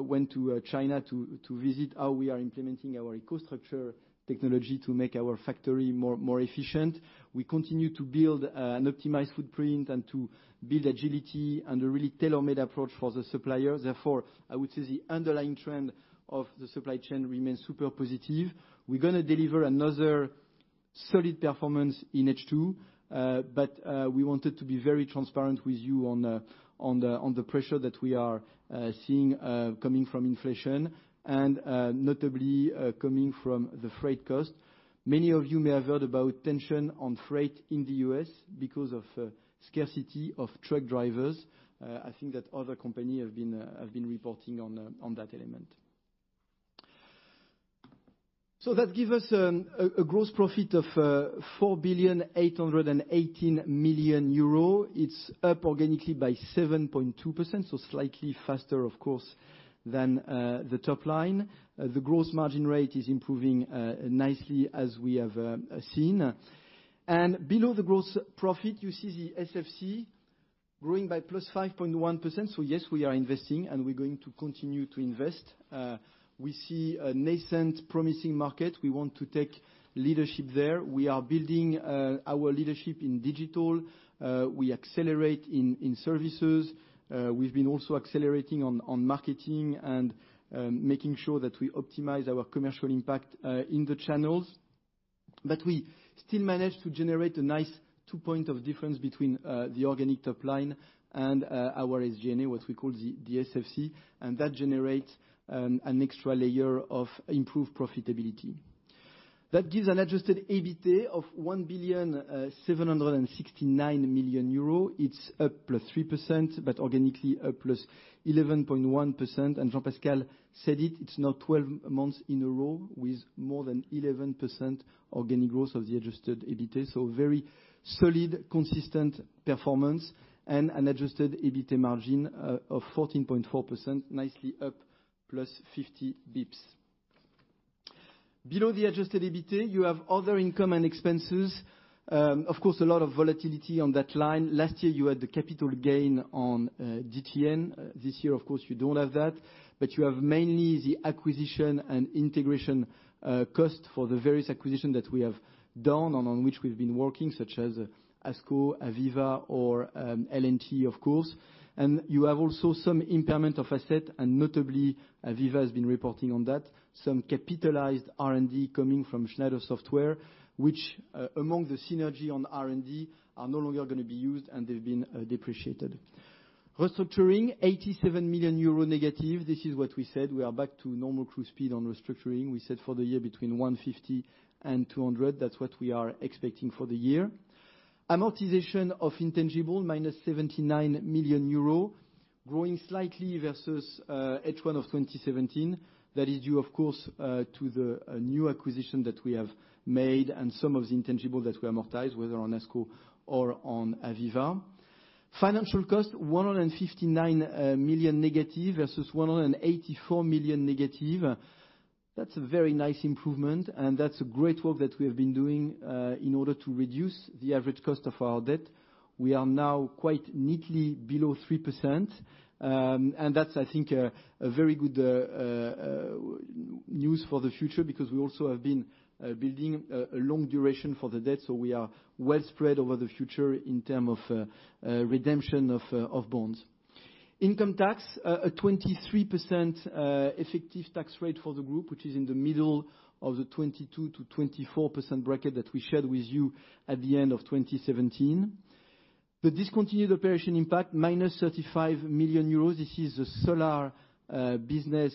went to China to visit how we are implementing our EcoStruxure technology to make our factory more efficient. We continue to build an optimized footprint and to build agility and a really tailor-made approach for the supplier. I would say the underlying trend of the supply chain remains super positive. We're going to deliver another solid performance in H2, we wanted to be very transparent with you on the pressure that we are seeing coming from inflation and notably, coming from the freight cost. Many of you may have heard about tension on freight in the U.S. because of scarcity of truck drivers. I think that other company have been reporting on that element. That gives us a gross profit of 4.818 billion. It's up organically by 7.2%, slightly faster, of course, than the top line. The gross margin rate is improving nicely, as we have seen. Below the gross profit, you see the SFC growing by +5.1%. Yes, we are investing, and we're going to continue to invest. We see a nascent, promising market. We want to take leadership there. We are building our leadership in digital. We accelerate in services. We've been also accelerating on marketing and making sure that we optimize our commercial impact in the channels. We still manage to generate a nice 2 point of difference between the organic top line and our SG&A, what we call the SFC, and that generates an extra layer of improved profitability. That gives an adjusted EBITA of EUR 1.769 billion. It's up +3%, organically up +11.1%. Jean-Pascal said it's now 12 months in a row with more than 11% organic growth of the adjusted EBITA, very solid, consistent performance and an adjusted EBITA margin of 14.4%, nicely up +50 basis points. Below the adjusted EBITA, you have other income and expenses. Of course, a lot of volatility on that line. Last year, you had the capital gain on DTN. This year, of course, you don't have that, you have mainly the acquisition and integration cost for the various acquisition that we have done and on which we've been working, such as ASCO, AVEVA or L&T, of course. You have also some impairment of asset, and notably, AVEVA has been reporting on that. Some capitalized R&D coming from Schneider Software, which, among the synergy on R&D, are no longer going to be used, and they've been depreciated. Restructuring, 87 million euro negative. This is what we said. We are back to normal cruise speed on restructuring. We said for the year between 150 million and 200 million. That's what we are expecting for the year. Amortization of intangible, -79 million euro, growing slightly versus H1 of 2017. That is due, of course, to the new acquisition that we have made and some of the intangibles that we amortize, whether on ASCO or on AVEVA. Financial cost, 159 million negative versus 184 million negative. That's a very nice improvement, and that's great work that we have been doing in order to reduce the average cost of our debt. We are now quite neatly below 3%, and that's, I think, very good news for the future because we also have been building a long duration for the debt. We are well spread over the future in term of redemption of bonds. Income tax, a 23% effective tax rate for the group, which is in the middle of the 22%-24% bracket that we shared with you at the end of 2017. The discontinued operation impact, minus 35 million euros. This is a solar business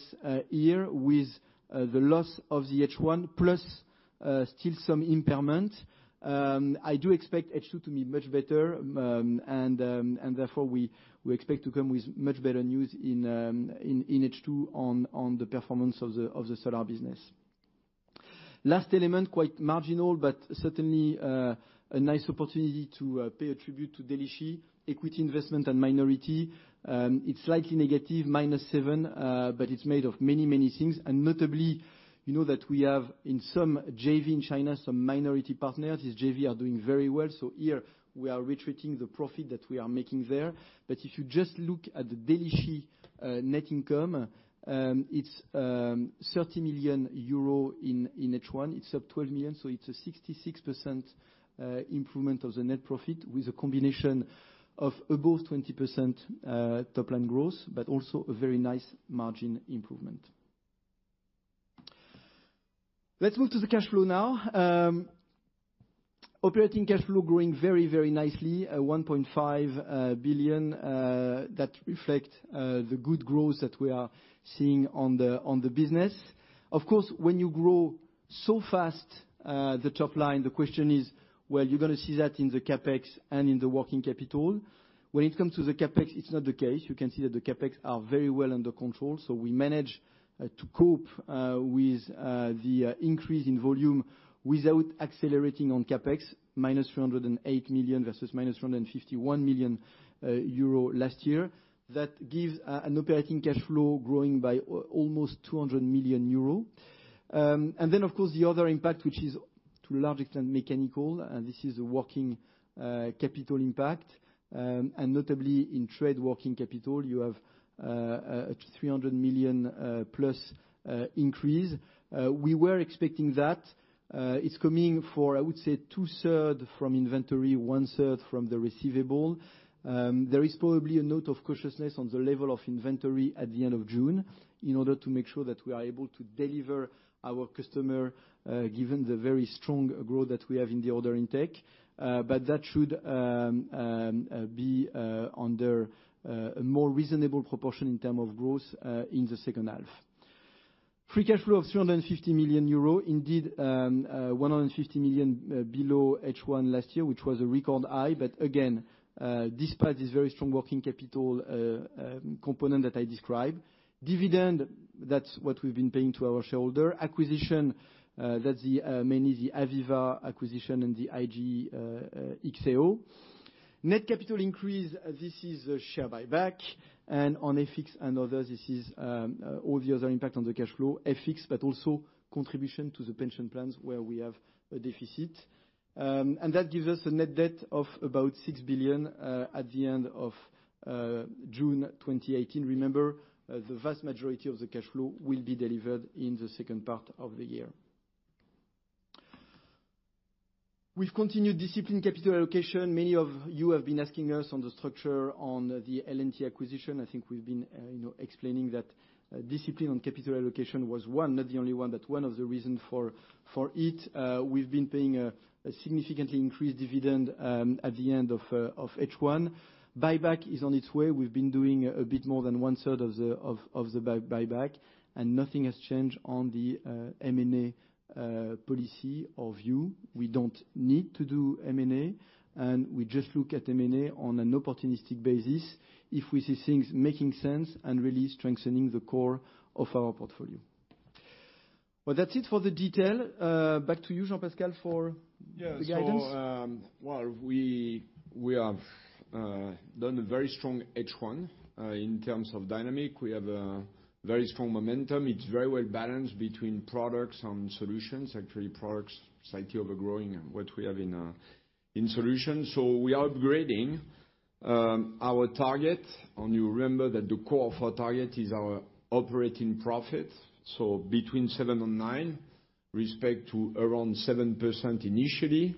here with the loss of the H1, plus still some impairment. I do expect H2 to be much better. We expect to come with much better news in H2 on the performance of the solar business. Last element, quite marginal, but certainly a nice opportunity to pay a tribute to Delixi Electric, equity investment and minority. It's slightly negative, minus 7, but it's made of many, many things, and notably, you know that we have in some JV in China, some minority partners. This JV are doing very well. Here, we are retreating the profit that we are making there. If you just look at the Delixi Electric net income, it's 30 million euro in H1. It's up 12 million. It's a 66% improvement of the net profit with a combination of above 20% top-line growth, but also a very nice margin improvement. Let's move to the cash flow now. Operating cash flow growing very, very nicely, 1.5 billion. That reflect the good growth that we are seeing on the business. Of course, when you grow so fast the top line, the question is, well, you're going to see that in the CapEx and in the working capital. When it comes to the CapEx, it's not the case. You can see that the CapEx are very well under control. We manage to cope with the increase in volume without accelerating on CapEx, minus 308 million versus minus 351 million euro last year. That gives an operating cash flow growing by almost 200 million euro. Of course, the other impact, which is to a large extent mechanical, and this is a working capital impact, and notably in trade working capital, you have a 300 million-plus increase. We were expecting that. It's coming for, I would say, two-third from inventory, one-third from the receivable. There is probably a note of cautiousness on the level of inventory at the end of June in order to make sure that we are able to deliver our customer, given the very strong growth that we have in the order intake. That should be under a more reasonable proportion in term of growth in the second half. Free cash flow of 350 million euro. Indeed, 150 million below H1 last year, which was a record high. Again, despite this very strong working capital component that I described. Dividend, that's what we've been paying to our shareholder. Acquisition, that's mainly the AVEVA acquisition and the IGE XAO. Net capital increase, this is a share buyback. On FX and others, this is all the other impact on the cash flow, FX, but also contribution to the pension plans where we have a deficit. That gives us a net debt of about 6 billion at the end of June 2018. Remember, the vast majority of the cash flow will be delivered in the second part of the year. We've continued disciplined capital allocation. Many of you have been asking us on the structure on the L&T acquisition. I think we've been explaining that discipline on capital allocation was one, not the only one, but one of the reason for it. We've been paying a significantly increased dividend at the end of H1. Buyback is on its way. We've been doing a bit more than one-third of the buyback, nothing has changed on the M&A policy or view. We don't need to do M&A, we just look at M&A on an opportunistic basis, if we see things making sense and really strengthening the core of our portfolio. Well, that's it for the detail. Back to you, Jean-Pascal, for the guidance. Well, we have done a very strong H1. In terms of dynamic, we have a very strong momentum. It's very well-balanced between products and solutions. Actually, products slightly over-growing what we have in solutions. We are upgrading our target, you remember that the core of our target is our operating profit. Between 7% and 9%, respect to around 7% initially.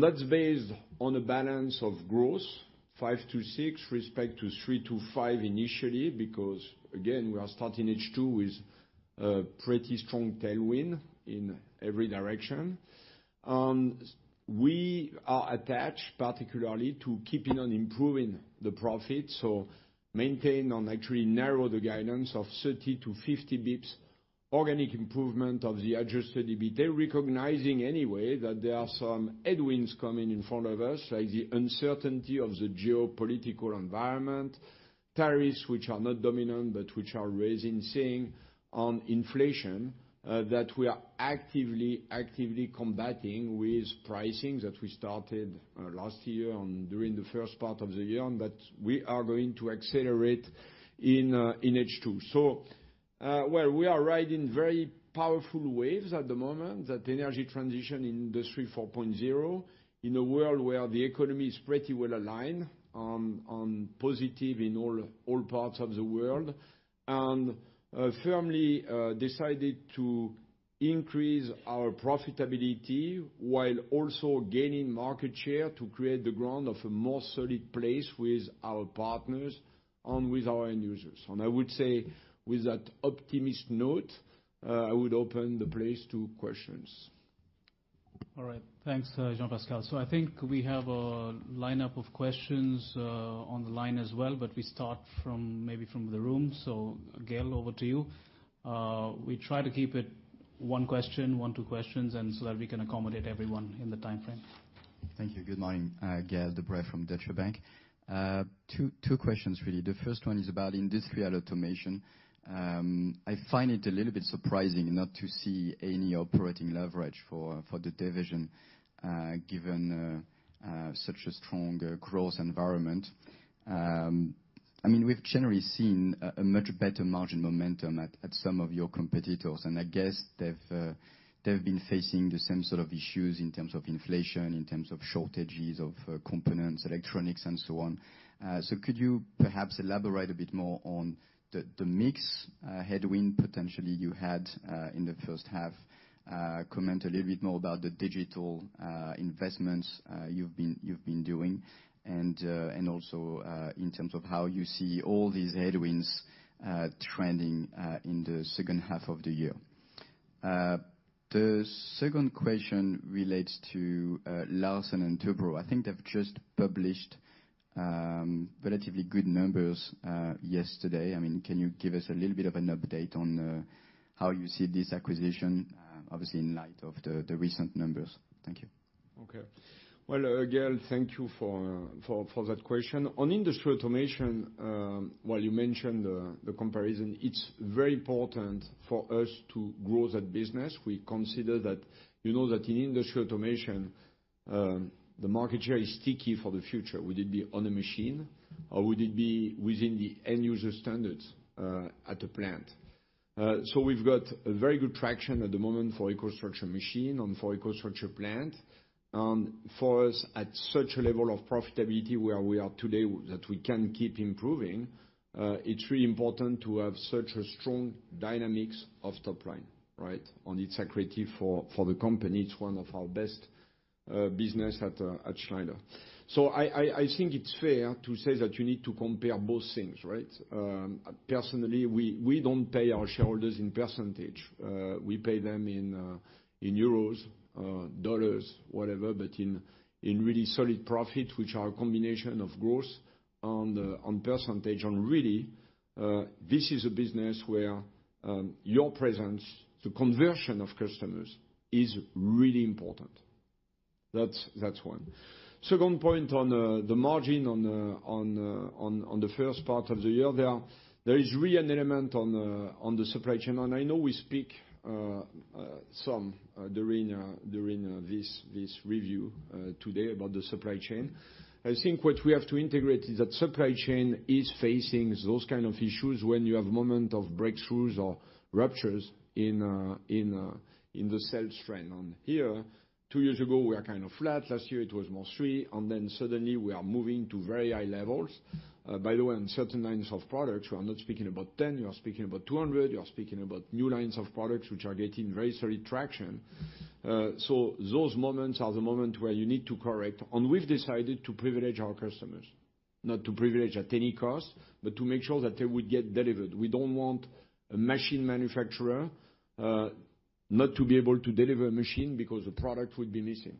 That's based on a balance of growth, 5%-6%, respect to 3%-5% initially, because again, we are starting H2 with a pretty strong tailwind in every direction. We are attached particularly to keeping on improving the profit. Maintain on actually narrow the guidance of 30-50 basis points, organic improvement of the adjusted EBITA, recognizing anyway that there are some headwinds coming in front of us, like the uncertainty of the geopolitical environment, tariffs which are not dominant but which are raising, same on inflation, that we are actively combating with pricing that we started last year and during the first part of the year. We are going to accelerate in H2. Well, we are riding very powerful waves at the moment, that energy transition Industry 4.0, in a world where the economy is pretty well aligned on positive in all parts of the world. Firmly decided to increase our profitability while also gaining market share to create the ground of a more solid place with our partners and with our end users. I would say with that optimist note, I would open the place to questions. All right. Thanks, Jean-Pascal. I think we have a lineup of questions on the line as well, but we start maybe from the room. Gaël, over to you. We try to keep it one question, one, two questions, and so that we can accommodate everyone in the time frame. Thank you. Good morning. Gaël de Bray from Deutsche Bank. Two questions, really. The first one is about Industrial Automation. I find it a little bit surprising not to see any operating leverage for the division, given such a strong growth environment. We've generally seen a much better margin momentum at some of your competitors, and I guess they've been facing the same sort of issues in terms of inflation, in terms of shortages of components, electronics, and so on. Could you perhaps elaborate a bit more on the mix headwind, potentially, you had in the first half? Comment a little bit more about the digital investments you've been doing and also in terms of how you see all these headwinds trending in the second half of the year. The second question relates to Larsen & Toubro. I think they've just published relatively good numbers yesterday. Can you give us a little bit of an update on how you see this acquisition, obviously in light of the recent numbers? Thank you. Well, Gaël, thank you for that question. On Industrial Automation, while you mentioned the comparison, it's very important for us to grow that business. We consider that in Industrial Automation, the market share is sticky for the future, would it be on a machine or would it be within the end user standards at a plant. We've got a very good traction at the moment for EcoStruxure Machine and for EcoStruxure Plant. For us, at such a level of profitability where we are today, that we can keep improving, it's really important to have such a strong dynamics of top line. It's accretive for the company. It's one of our best business at Schneider. I think it's fair to say that you need to compare both things, right? Personally, we don't pay our shareholders in percentage. We pay them in euros, dollars, whatever, but in really solid profit, which are a combination of growth on percentage. Really, this is a business where your presence, the conversion of customers, is really important. That's one. Second point on the margin on the first part of the year there is really an element on the supply chain, and I know we speak some during this review today about the supply chain. I think what we have to integrate is that supply chain is facing those kind of issues when you have moment of breakthroughs or ruptures in the sales trend. On here, 2 years ago, we are kind of flat. Last year, it was more 3, and then suddenly we are moving to very high levels. By the way, on certain lines of products, we are not speaking about 10, we are speaking about 200, we are speaking about new lines of products which are getting very solid traction. Those moments are the moment where you need to correct, and we've decided to privilege our customers. Not to privilege at any cost, but to make sure that they would get delivered. We don't want a machine manufacturer not to be able to deliver a machine because the product would be missing.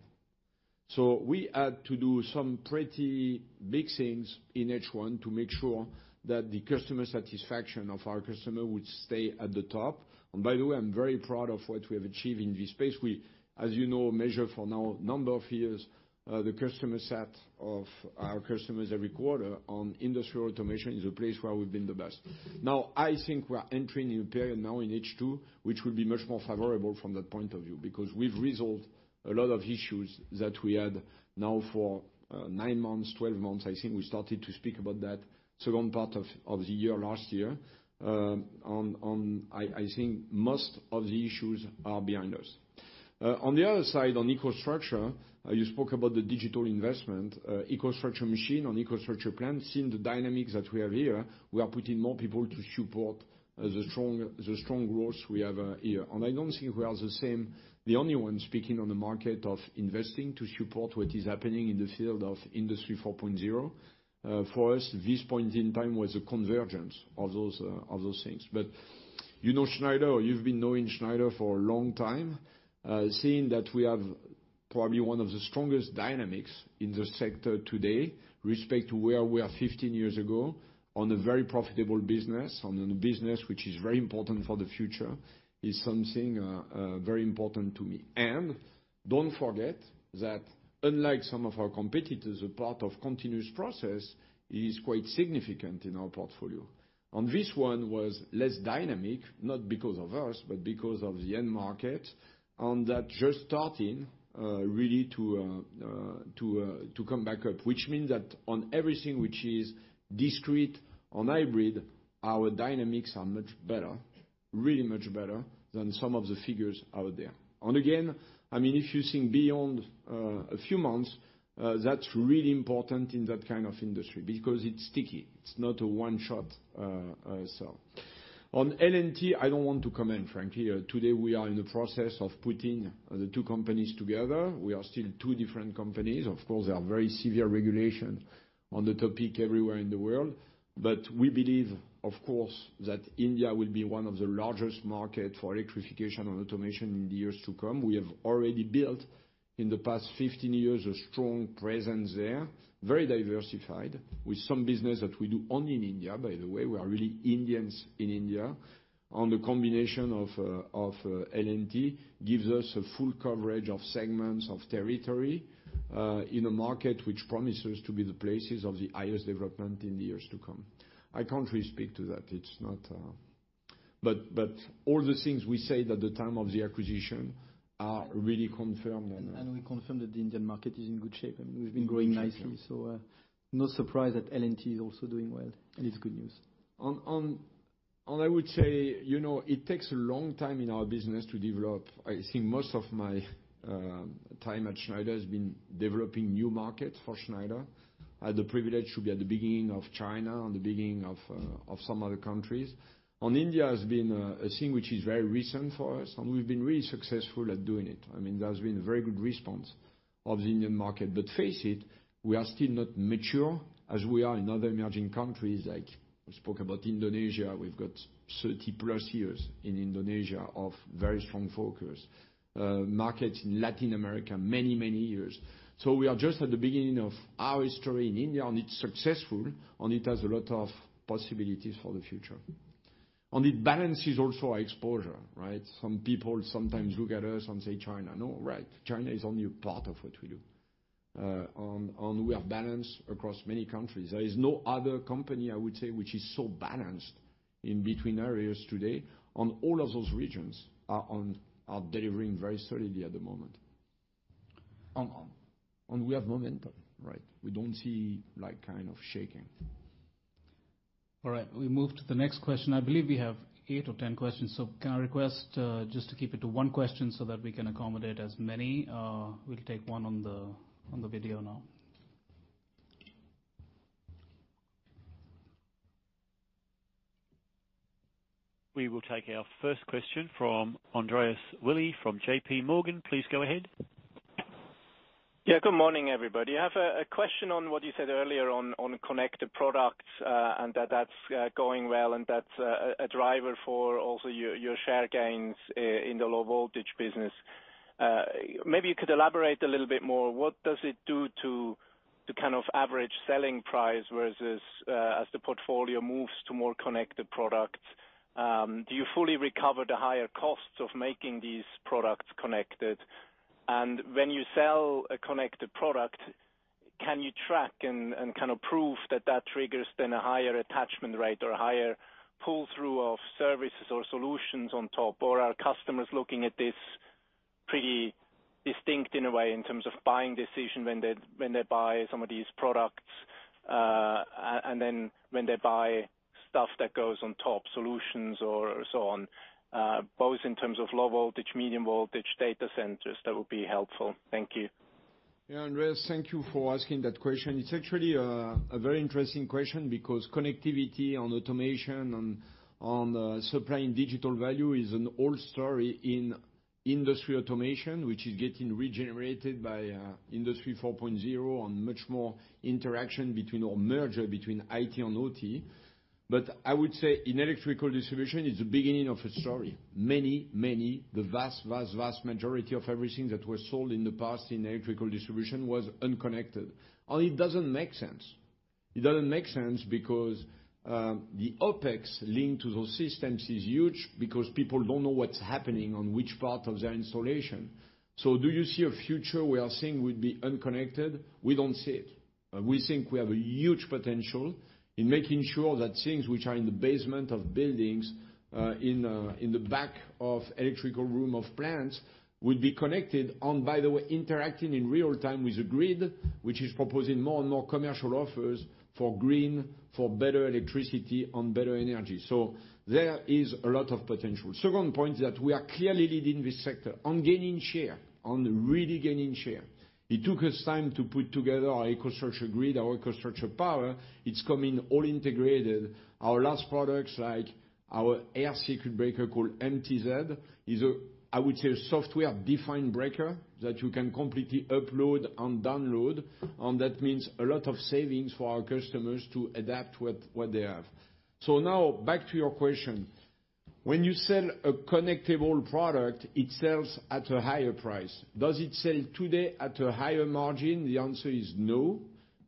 We had to do some pretty big things in H1 to make sure that the customer satisfaction of our customer would stay at the top. By the way, I'm very proud of what we have achieved in this space. We, as you know, measure for now a number of years, the customer sat of our customers every quarter on Industrial Automation is a place where we've been the best. I think we are entering a new period now in H2, which will be much more favorable from that point of view, because we've resolved a lot of issues that we had now for 9 months, 12 months. I think we started to speak about that second part of the year last year. I think most of the issues are behind us. On the other side, on EcoStruxure, you spoke about the digital investment, EcoStruxure Machine on EcoStruxure Plant. Seeing the dynamics that we have here, we are putting more people to support the strong growth we have here. I don't think we are the same, the only one speaking on the market of investing to support what is happening in the field of Industry 4.0. For us, this point in time was a convergence of those things. You know Schneider, or you've been knowing Schneider for a long time, seeing that we have probably one of the strongest dynamics in the sector today, respect to where we are 15 years ago, on a very profitable business, on a business which is very important for the future, is something very important to me. Don't forget that unlike some of our competitors, the part of continuous process is quite significant in our portfolio. This one was less dynamic, not because of us, but because of the end market, and that just starting really to come back up. Which means that on everything which is discrete on hybrid, our dynamics are much better, really much better than some of the figures out there. Again, if you think beyond a few months, that's really important in that kind of industry because it's sticky. It's not a one shot sell. On L&T, I don't want to comment frankly. Today, we are in the process of putting the 2 companies together. We are still 2 different companies. Of course, there are very severe regulation on the topic everywhere in the world. We believe, of course, that India will be one of the largest market for electrification and automation in the years to come. We have already built, in the past 15 years, a strong presence there, very diversified, with some business that we do only in India, by the way. We are really Indians in India. The combination of L&T gives us a full coverage of segments of territory, in a market which promises to be the places of the highest development in the years to come. I can't really speak to that. All the things we said at the time of the acquisition are really confirmed. We confirm that the Indian market is in good shape, and we've been growing nicely. No surprise that L&T is also doing well, and it's good news. I would say, it takes a long time in our business to develop. I think most of my time at Schneider has been developing new markets for Schneider. I had the privilege to be at the beginning of China and the beginning of some other countries. India has been a thing which is very recent for us, and we've been really successful at doing it. There's been a very good response of the Indian market. Face it, we are still not mature as we are in other emerging countries like we spoke about Indonesia. We've got 30-plus years in Indonesia of very strong focus. Markets in Latin America, many, many years. We are just at the beginning of our history in India, and it's successful, and it has a lot of possibilities for the future. It balances also our exposure, right? Some people sometimes look at us and say, "China." No, right. China is only a part of what we do. We have balance across many countries. There is no other company, I would say, which is so balanced in between areas today, and all of those regions are delivering very solidly at the moment. We have momentum, right? We don't see kind of shaking. All right, we move to the next question. I believe we have eight or 10 questions. Can I request, just to keep it to one question so that we can accommodate as many? We'll take one on the video now. We will take our first question from Andreas Willi from JPMorgan. Please go ahead. Good morning, everybody. I have a question on what you said earlier on connected products, and that that's going well, and that's a driver for also your share gains in the low-voltage business. Maybe you could elaborate a little bit more. What does it do to- The average selling price as the portfolio moves to more connected products, do you fully recover the higher costs of making these products connected? When you sell a connected product, can you track and prove that that triggers then a higher attachment rate or a higher pull-through of services or solutions on top? Are customers looking at this pretty distinct in a way, in terms of buying decision when they buy some of these products, then when they buy stuff that goes on top, solutions or so on, both in terms of low-voltage, medium-voltage data centers? That would be helpful. Thank you. Andreas, thank you for asking that question. It's actually a very interesting question because connectivity on automation, on supplying digital value is an old story in industry automation, which is getting regenerated by Industry 4.0 on much more interaction between or merger between IT and OT. I would say in electrical distribution, it's the beginning of a story. Many, the vast majority of everything that was sold in the past in electrical distribution was unconnected, and it doesn't make sense. It doesn't make sense because, the OpEx linked to those systems is huge because people don't know what's happening on which part of their installation. Do you see a future where a thing would be unconnected? We don't see it. We think we have a huge potential in making sure that things which are in the basement of buildings, in the back of electrical room of plants, will be connected and, by the way, interacting in real time with the grid, which is proposing more and more commercial offers for green, for better electricity, and better energy. There is a lot of potential. Second point is that we are clearly leading this sector on really gaining share. It took us time to put together our EcoStruxure Grid, our EcoStruxure Power. It's coming all integrated. Our last products, like our air circuit breaker called MTZ, is, I would say, a software-defined breaker that you can completely upload and download, and that means a lot of savings for our customers to adapt what they have. Now back to your question. When you sell a connectable product, it sells at a higher price. Does it sell today at a higher margin? The answer is no,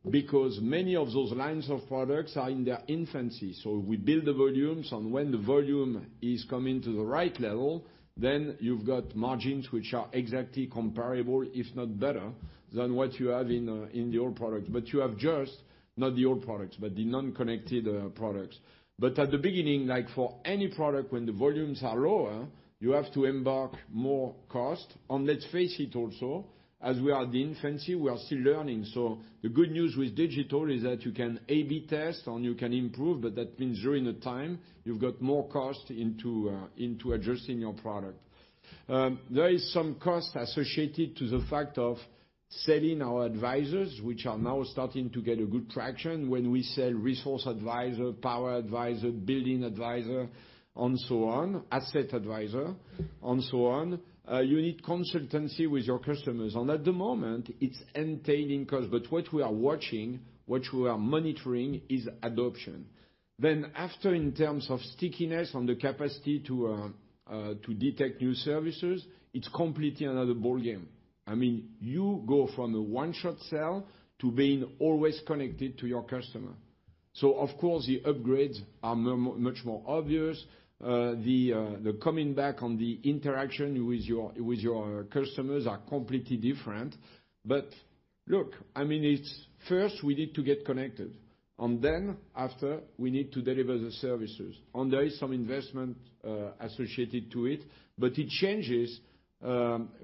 because many of those lines of products are in their infancy. We build the volumes, and when the volume is coming to the right level, then you've got margins which are exactly comparable, if not better, than what you have in the old product. You have just, not the old products, but the non-connected products. At the beginning, like for any product, when the volumes are lower, you have to embark more cost. Let's face it also, as we are at the infancy, we are still learning. The good news with digital is that you can A/B test, and you can improve, but that means during the time you've got more cost into adjusting your product. There is some cost associated to the fact of selling our advisors, which are now starting to get a good traction when we sell Resource Advisor, Power Advisor, Building Advisor, and so on, Asset Advisor, and so on. You need consultancy with your customers, and at the moment, it's entailing cost. What we are watching, what we are monitoring is adoption. After, in terms of stickiness and the capacity to detect new services, it's completely another ballgame. You go from the one-shot sell to being always connected to your customer. Of course, the upgrades are much more obvious. The coming back on the interaction with your customers are completely different. Look, first we need to get connected, and then after, we need to deliver the services. There is some investment associated to it, but it changes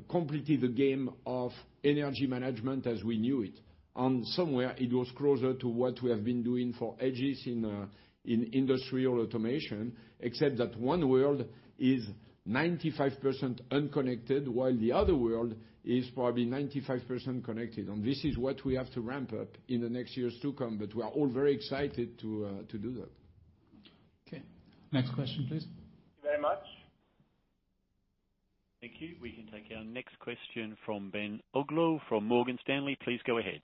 completely the game of energy management as we knew it, somewhere it was closer to what we have been doing for edges in industrial automation, except that one world is 95% unconnected, while the other world is probably 95% connected. This is what we have to ramp up in the next years to come, we are all very excited to do that. Okay. Next question, please. Thank you very much. Thank you. We can take our next question from Ben Uglow from Morgan Stanley. Please go ahead.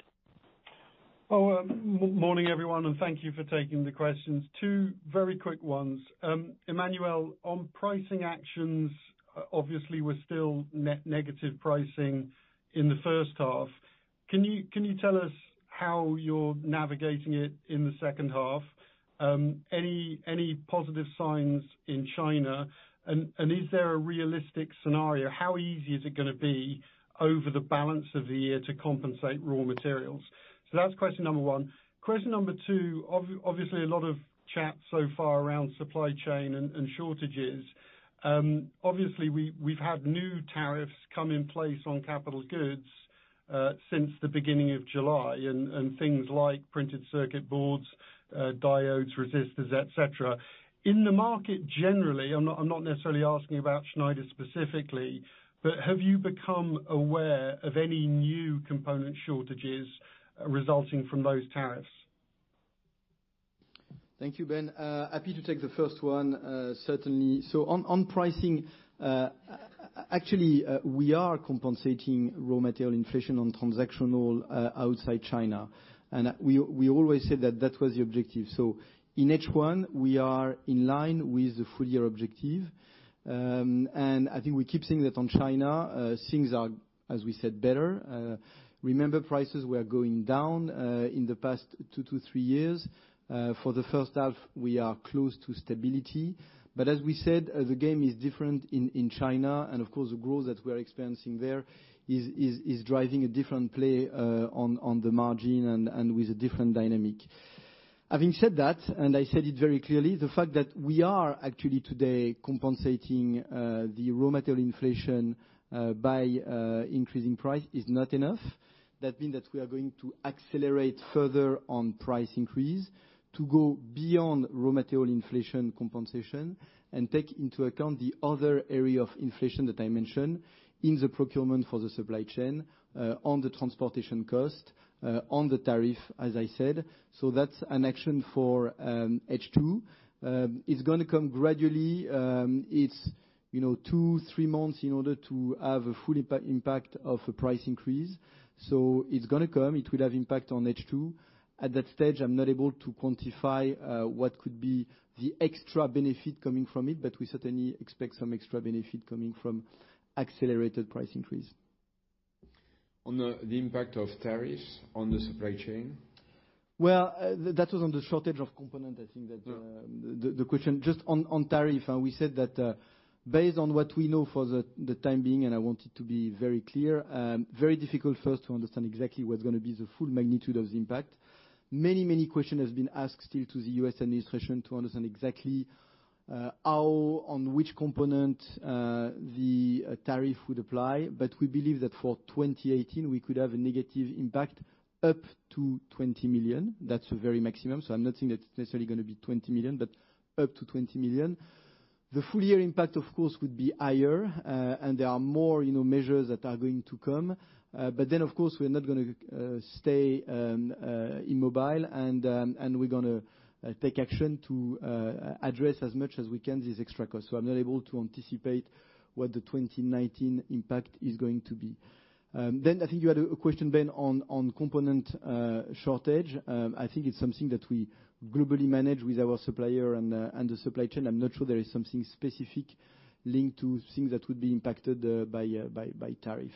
Morning, everyone, and thank you for taking the questions. Two very quick ones. Emmanuel, on pricing actions, obviously, we're still net negative pricing in the first half. Can you tell us how you're navigating it in the second half? Any positive signs in China? Is there a realistic scenario? How easy is it going to be over the balance of the year to compensate raw materials? That was question number one. Question number two, obviously, a lot of chat so far around supply chain and shortages. Obviously, we've had new tariffs come in place on capital goods, since the beginning of July on things like printed circuit boards, diodes, resistors, et cetera. In the market generally, I'm not necessarily asking about Schneider specifically, but have you become aware of any new component shortages resulting from those tariffs? Thank you, Ben. Happy to take the first one, certainly. On pricing- Actually, we are compensating raw material inflation on transactional outside China, and we always said that was the objective. In H1, we are in line with the full-year objective, and I think we keep saying that on China, things are, as we said, better. Remember, prices were going down, in the past two to three years. For the first half, we are close to stability. As we said, the game is different in China, and of course, the growth that we're experiencing there is driving a different play on the margin and with a different dynamic. Having said that, and I said it very clearly, the fact that we are actually today compensating the raw material inflation by increasing price is not enough. That means that we are going to accelerate further on price increase to go beyond raw material inflation compensation and take into account the other area of inflation that I mentioned in the procurement for the supply chain, on the transportation cost, on the tariff, as I said. That's an action for H2. It's going to come gradually. It's two, three months in order to have a full impact of a price increase. It's going to come. It will have impact on H2. At that stage, I'm not able to quantify what could be the extra benefit coming from it, but we certainly expect some extra benefit coming from accelerated price increase. On the impact of tariffs on the supply chain. Well, that was on the shortage of component. Yeah The question. Just on tariff, we said that based on what we know for the time being, I want it to be very clear, very difficult first to understand exactly what's going to be the full magnitude of the impact. Many question has been asked still to the U.S. administration to understand exactly how, on which component the tariff would apply. We believe that for 2018, we could have a negative impact up to 20 million. That's a very maximum. I'm not saying that's necessarily going to be 20 million, but up to 20 million. The full year impact, of course, would be higher. There are more measures that are going to come. Of course, we're not going to stay immobile and we're going to take action to address as much as we can these extra costs. I'm not able to anticipate what the 2019 impact is going to be. I think you had a question, Ben, on component shortage. I think it's something that we globally manage with our supplier and the supply chain. I'm not sure there is something specific linked to things that would be impacted by tariff.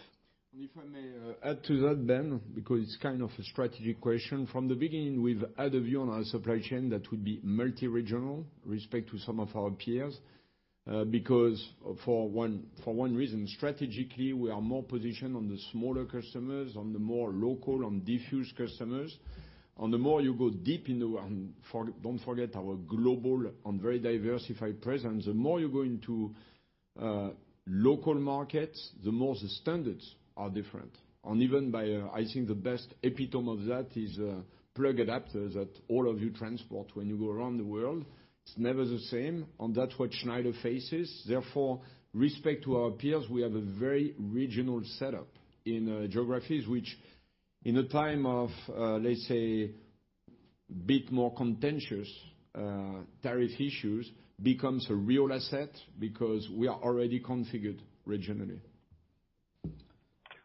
If I may add to that, Ben, because it's kind of a strategic question. From the beginning, we've had a view on our supply chain that would be multi-regional respect to some of our peers. Because for one reason, strategically, we are more positioned on the smaller customers, on the more local, on diffuse customers. The more you go deep, and don't forget our global and very diversified presence, the more you go into local markets, the more the standards are different. Even by, I think the best epitome of that is a plug adapter that all of you transport when you go around the world. It's never the same, and that's what Schneider faces. Therefore, respect to our peers, we have a very regional setup in geographies, which in a time of, let's say, bit more contentious tariff issues, becomes a real asset because we are already configured regionally.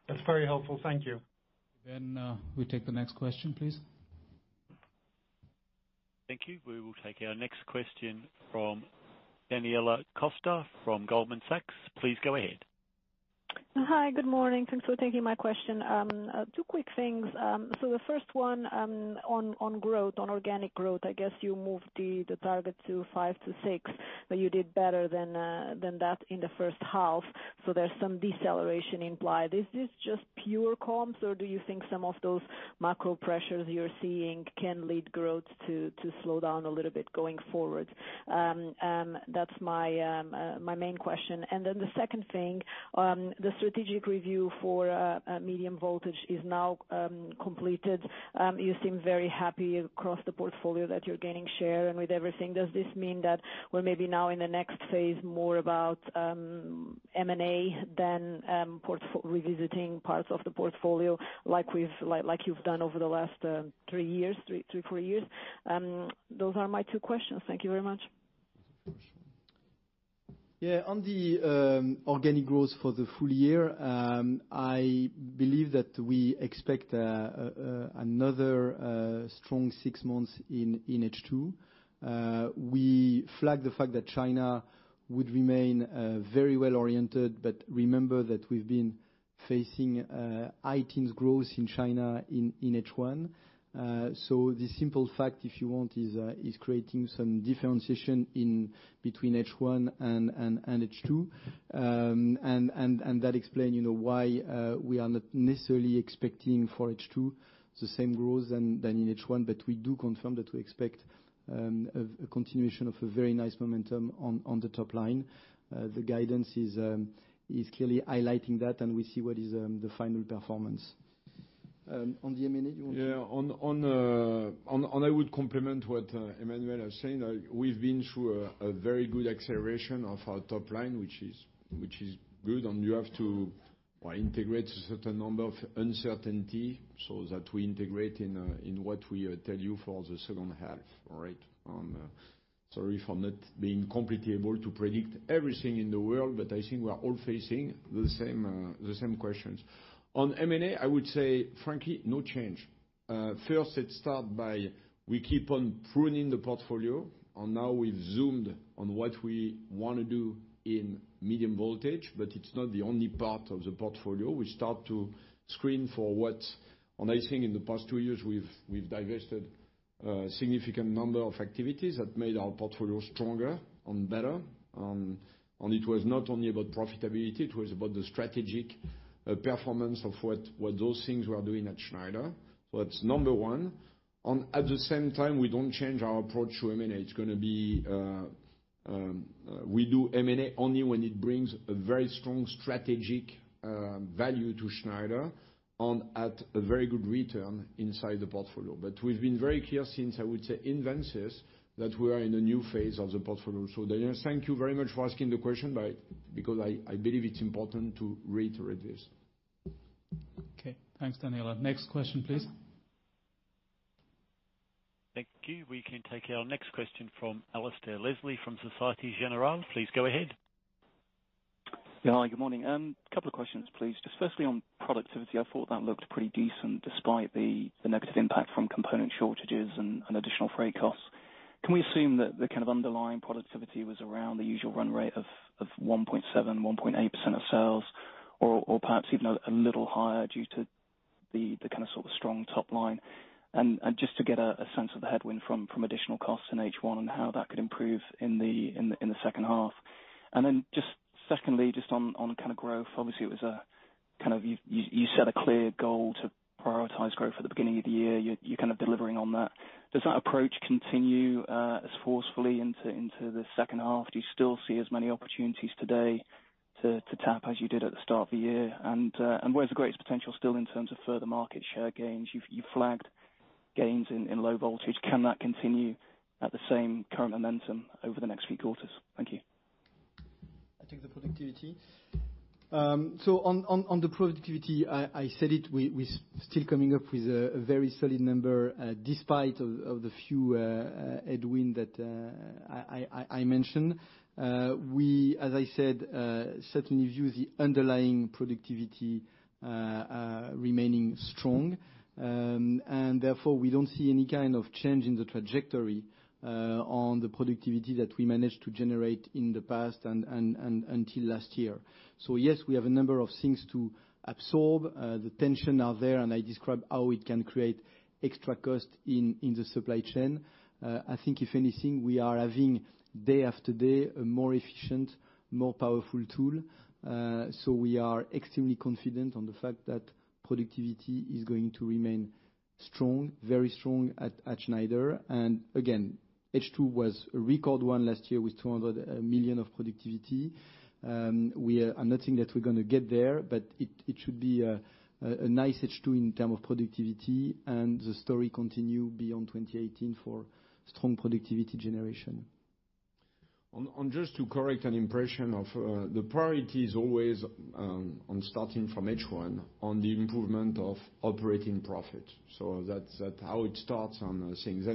That's very helpful. Thank you. We take the next question, please. Thank you. We will take our next question from Daniela Costa from Goldman Sachs. Please go ahead. Hi. Good morning. Thanks for taking my question. Two quick things. The first one, on growth, on organic growth. I guess you moved the target to five%-six%, but you did better than that in the first half, so there's some deceleration implied. Is this just pure comps, or do you think some of those macro pressures you're seeing can lead growth to slow down a little bit going forward? That's my main question. The second thing, the strategic review for medium voltage is now completed. You seem very happy across the portfolio that you're gaining share and with everything. Does this mean that we're maybe now in the next phase more about M&A than revisiting parts of the portfolio like you've done over the last three, four years? Those are my two questions. Thank you very much. On the organic growth for the full year, I believe that we expect another strong six months in H2. We flagged the fact that China would remain very well oriented, remember that we've been facing high teens growth in China in H1. The simple fact, if you want, is creating some differentiation between H1 and H2. That explain why we are not necessarily expecting for H2 the same growth than in H1. We do confirm that we expect a continuation of a very nice momentum on the top line. The guidance is clearly highlighting that, and we see what is the final performance. On the M&A, you want to? I would complement what Emmanuel is saying. We've been through a very good acceleration of our top line, which is good, and you have to integrate a certain number of uncertainty so that we integrate in what we tell you for the second half. Right? Sorry for not being completely able to predict everything in the world, but I think we are all facing the same questions. On M&A, I would say, frankly, no change. First, let's start by we keep on pruning the portfolio, and now we've zoomed on what we want to do in medium voltage, but it's not the only part of the portfolio. We start to screen for what. I think in the past two years, we've divested a significant number of activities that made our portfolio stronger and better. It was not only about profitability, it was about the strategic performance of what those things were doing at Schneider. That's number 1. At the same time, we don't change our approach to M&A. It's going to be, we do M&A only when it brings a very strong strategic value to Schneider and at a very good return inside the portfolio. We've been very clear since, I would say, Invensys, that we are in a new phase of the portfolio. Daniela, thank you very much for asking the question, because I believe it's important to reiterate this. Thanks, Daniela. Next question, please. Thank you. We can take our next question from Alasdair Leslie from Societe Generale. Please go ahead. Hi, good morning. Two questions, please. Firstly, on productivity, I thought that looked pretty decent despite the negative impact from component shortages and additional freight costs. Can we assume that the kind of underlying productivity was around the usual run rate of 1.7%-1.8% of sales or perhaps even a little higher due to the kind of sort of strong top line? Just to get a sense of the headwind from additional costs in H1 and how that could improve in the second half. Secondly, just on kind of growth. Obviously, you set a clear goal to prioritize growth at the beginning of the year. You're kind of delivering on that. Does that approach continue as forcefully into the second half? Do you still see as many opportunities today to tap as you did at the start of the year? Where's the greatest potential still in terms of further market share gains? You flagged gains in low voltage. Can that continue at the same current momentum over the next few quarters? Thank you. I take the productivity. On the productivity, I said it, we still coming up with a very solid number, despite of the few headwind that I mentioned. We, as I said, certainly view the underlying productivity remaining strong. Therefore, we don't see any kind of change in the trajectory on the productivity that we managed to generate in the past and until last year. Yes, we have a number of things to absorb. The tension are there, I describe how it can create extra cost in the supply chain. I think if anything, we are having day after day a more efficient, more powerful tool. We are extremely confident on the fact that productivity is going to remain strong, very strong at Schneider. Again, H2 was a record one last year with 200 million of productivity. I'm not saying that we're going to get there, but it should be a nice H2 in terms of productivity and the story continues beyond 2018 for strong productivity generation. Just to correct an impression of the priority is always on starting from H1 on the improvement of operating profit. That's how it starts on things.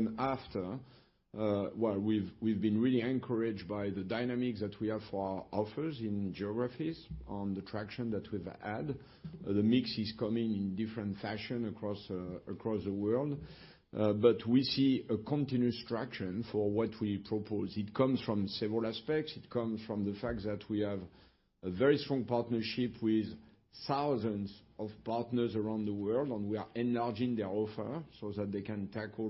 While we've been really encouraged by the dynamics that we have for our offers in geographies and the traction that we've had. The mix is coming in different fashion across the world. We see a continuous traction for what we propose. It comes from several aspects. It comes from the fact that we have a very strong partnership with thousands of partners around the world, and we are enlarging their offer so that they can tackle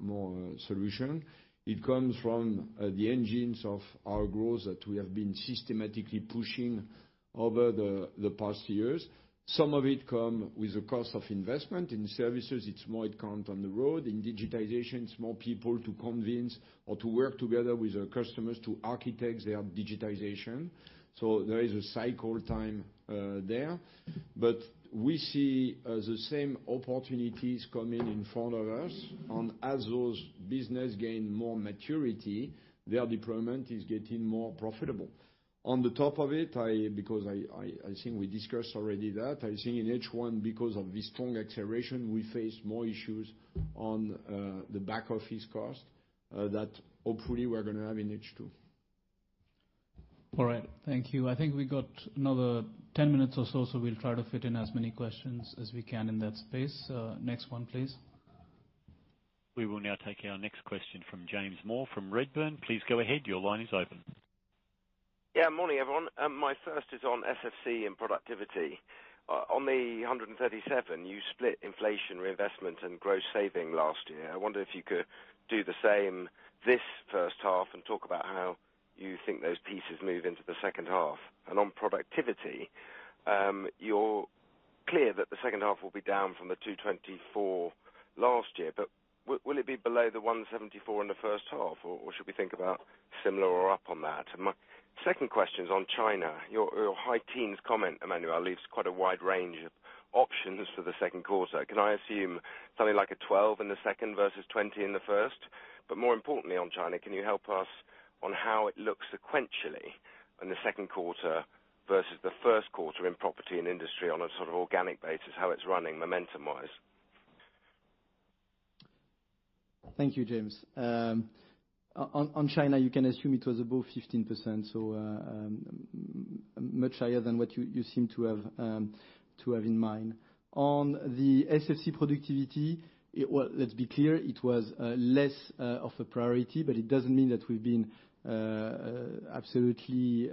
more solutions. It comes from the engines of our growth that we have been systematically pushing over the past years. Some of it comes with the cost of investment. In services, it's more accounts on the road. In digitization, it's more people to convince or to work together with our customers to architect their digitization. There is a cycle time there. We see the same opportunities coming in front of us. As those businesses gain more maturity, their deployment is getting more profitable. On the top of it, because I think we discussed already that, I think in H1, because of the strong acceleration, we face more issues on the back-office costs, that hopefully we're going to have in H2. All right. Thank you. I think we got another 10 minutes or so we'll try to fit in as many questions as we can in that space. Next one, please. We will now take our next question from James Moore from Redburn. Please go ahead. Your line is open. Yeah. Morning, everyone. My first is on SFC and productivity. On the 137, you split inflation reinvestment and gross saving last year. I wonder if you could do the same this first half and talk about how you think those pieces move into the second half. On productivity, you're clear that the second half will be down from the 224 last year, but will it be below the 174 in the first half, or should we think about similar or up on that? My second question is on China. Your high teens comment, Emmanuel, leaves quite a wide range of options for the second quarter. Can I assume something like a 12% in the second versus 20% in the first? More importantly on China, can you help us on how it looks sequentially in the second quarter versus the first quarter in property and industry on a sort of organic basis, how it's running momentum-wise? Thank you, James. On China, you can assume it was above 15%, much higher than what you seem to have in mind. On the SFC productivity, let's be clear, it was less of a priority, but it doesn't mean that we've been absolutely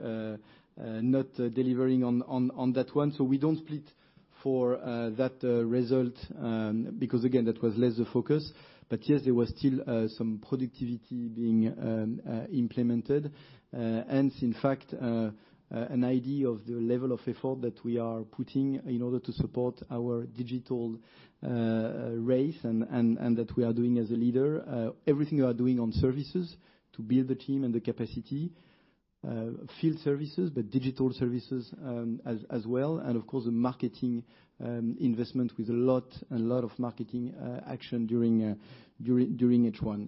not delivering on that one. We don't split for that result, because again, that was less the focus. Yes, there was still some productivity being implemented, hence, in fact, an idea of the level of effort that we are putting in order to support our digital race and that we are doing as a leader. Everything we are doing on services to build the team and the capacity, field services, but digital services, as well. Of course, the marketing investment with a lot of marketing action during H1.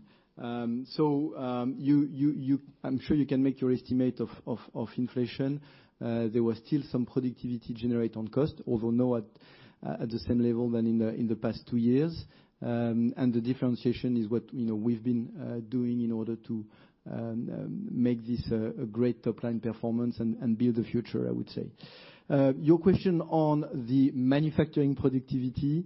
I'm sure you can make your estimate of inflation. There was still some productivity generated on cost, although not at the same level than in the past 2 years. The differentiation is what we've been doing in order to make this a great top-line performance and build the future, I would say. Your question on the manufacturing productivity,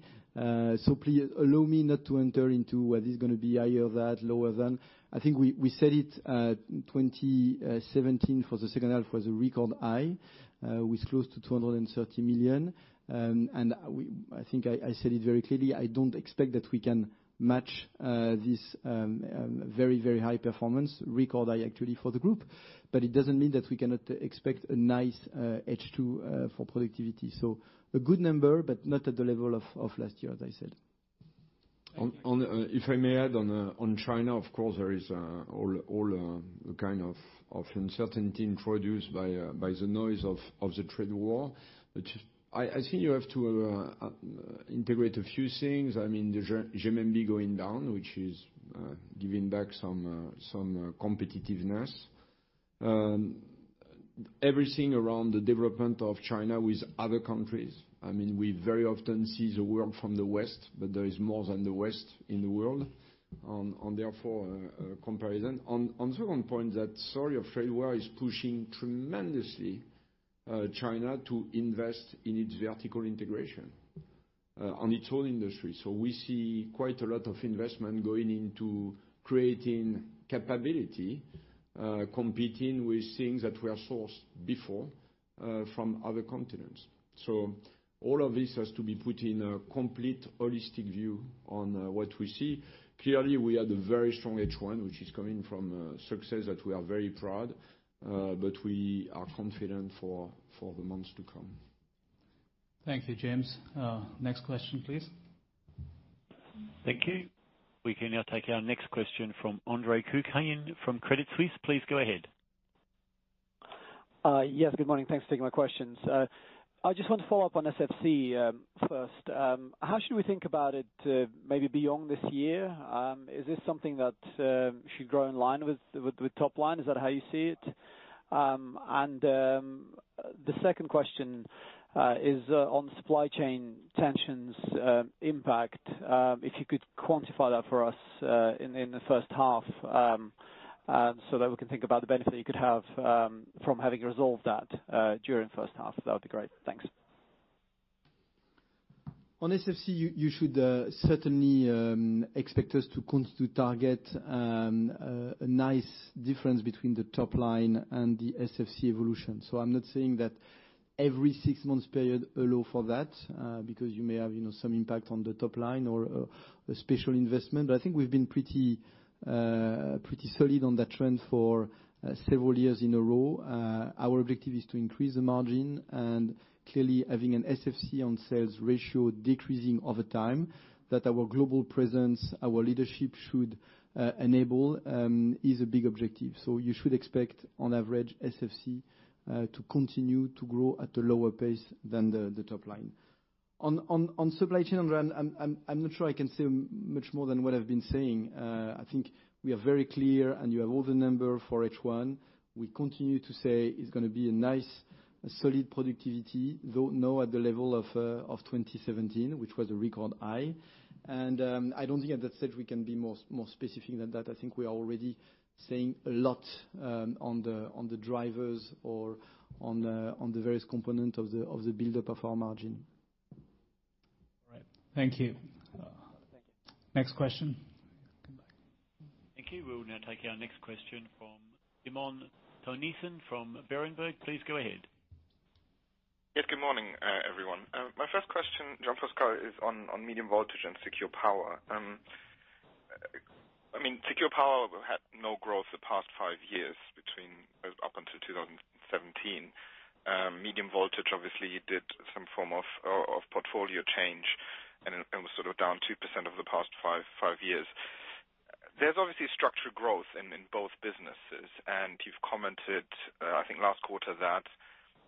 please allow me not to enter into whether it's going to be higher than, lower than. I think we said it, 2017, for the second half, was a record high, with close to 230 million. I think I said it very clearly, I don't expect that we can match this very high performance, record high actually for the group. It doesn't mean that we cannot expect a nice H2 for productivity. A good number, but not at the level of last year, as I said. If I may add on China, of course, there is all kind of uncertainty introduced by the noise of the trade war. I think you have to integrate a few things. The renminbi going down, which is giving back some competitiveness. Everything around the development of China with other countries. We very often see the world from the West, but there is more than the West in the world, and therefore a comparison. Second point, that story of trade war is pushing tremendously China to invest in its vertical integration, on its whole industry. We see quite a lot of investment going into creating capability, competing with things that were sourced before from other continents. All of this has to be put in a complete holistic view on what we see. Clearly, we had a very strong H1, which is coming from success that we are very proud, but we are confident for the months to come. Thank you, James. Next question, please. Thank you. We can now take our next question from Andre Kukhnin from Credit Suisse. Please go ahead. Yes, good morning. Thanks for taking my questions. I just want to follow up on SFC first. How should we think about it maybe beyond this year? Is this something that should grow in line with the top line? Is that how you see it? The second question is on supply chain tensions impact. If you could quantify that for us in the first half, so that we can think about the benefit you could have from having resolved that during the first half, that would be great. Thanks. On SFC, you should certainly expect us to continue to target a nice difference between the top line and the SFC evolution. I'm not saying that every six months period allow for that, because you may have some impact on the top line or a special investment. I think we've been pretty solid on that trend for several years in a row. Our objective is to increase the margin and clearly having an SFC on sales ratio decreasing over time, that our global presence, our leadership should enable, is a big objective. You should expect, on average, SFC to continue to grow at a lower pace than the top line. On supply chain, Andre, I'm not sure I can say much more than what I've been saying. I think we are very clear, and you have all the numbers for H1. We continue to say it's going to be a nice, solid productivity, though not at the level of 2017, which was a record high. I don't think at that stage we can be more specific than that. I think we are already saying a lot on the drivers or on the various component of the buildup of our margin. All right. Thank you. Thank you. Next question. Thank you. We will now take our next question from Simon Toennessen from Berenberg. Please go ahead. Yes, good morning, everyone. My first question, Jean-Pascal, is on Medium Voltage and Secure Power. Secure Power had no growth the past five years up until 2017. Medium Voltage obviously did some form of portfolio change and was down 2% over the past five years. There is obviously structural growth in both businesses, and you have commented, I think last quarter, that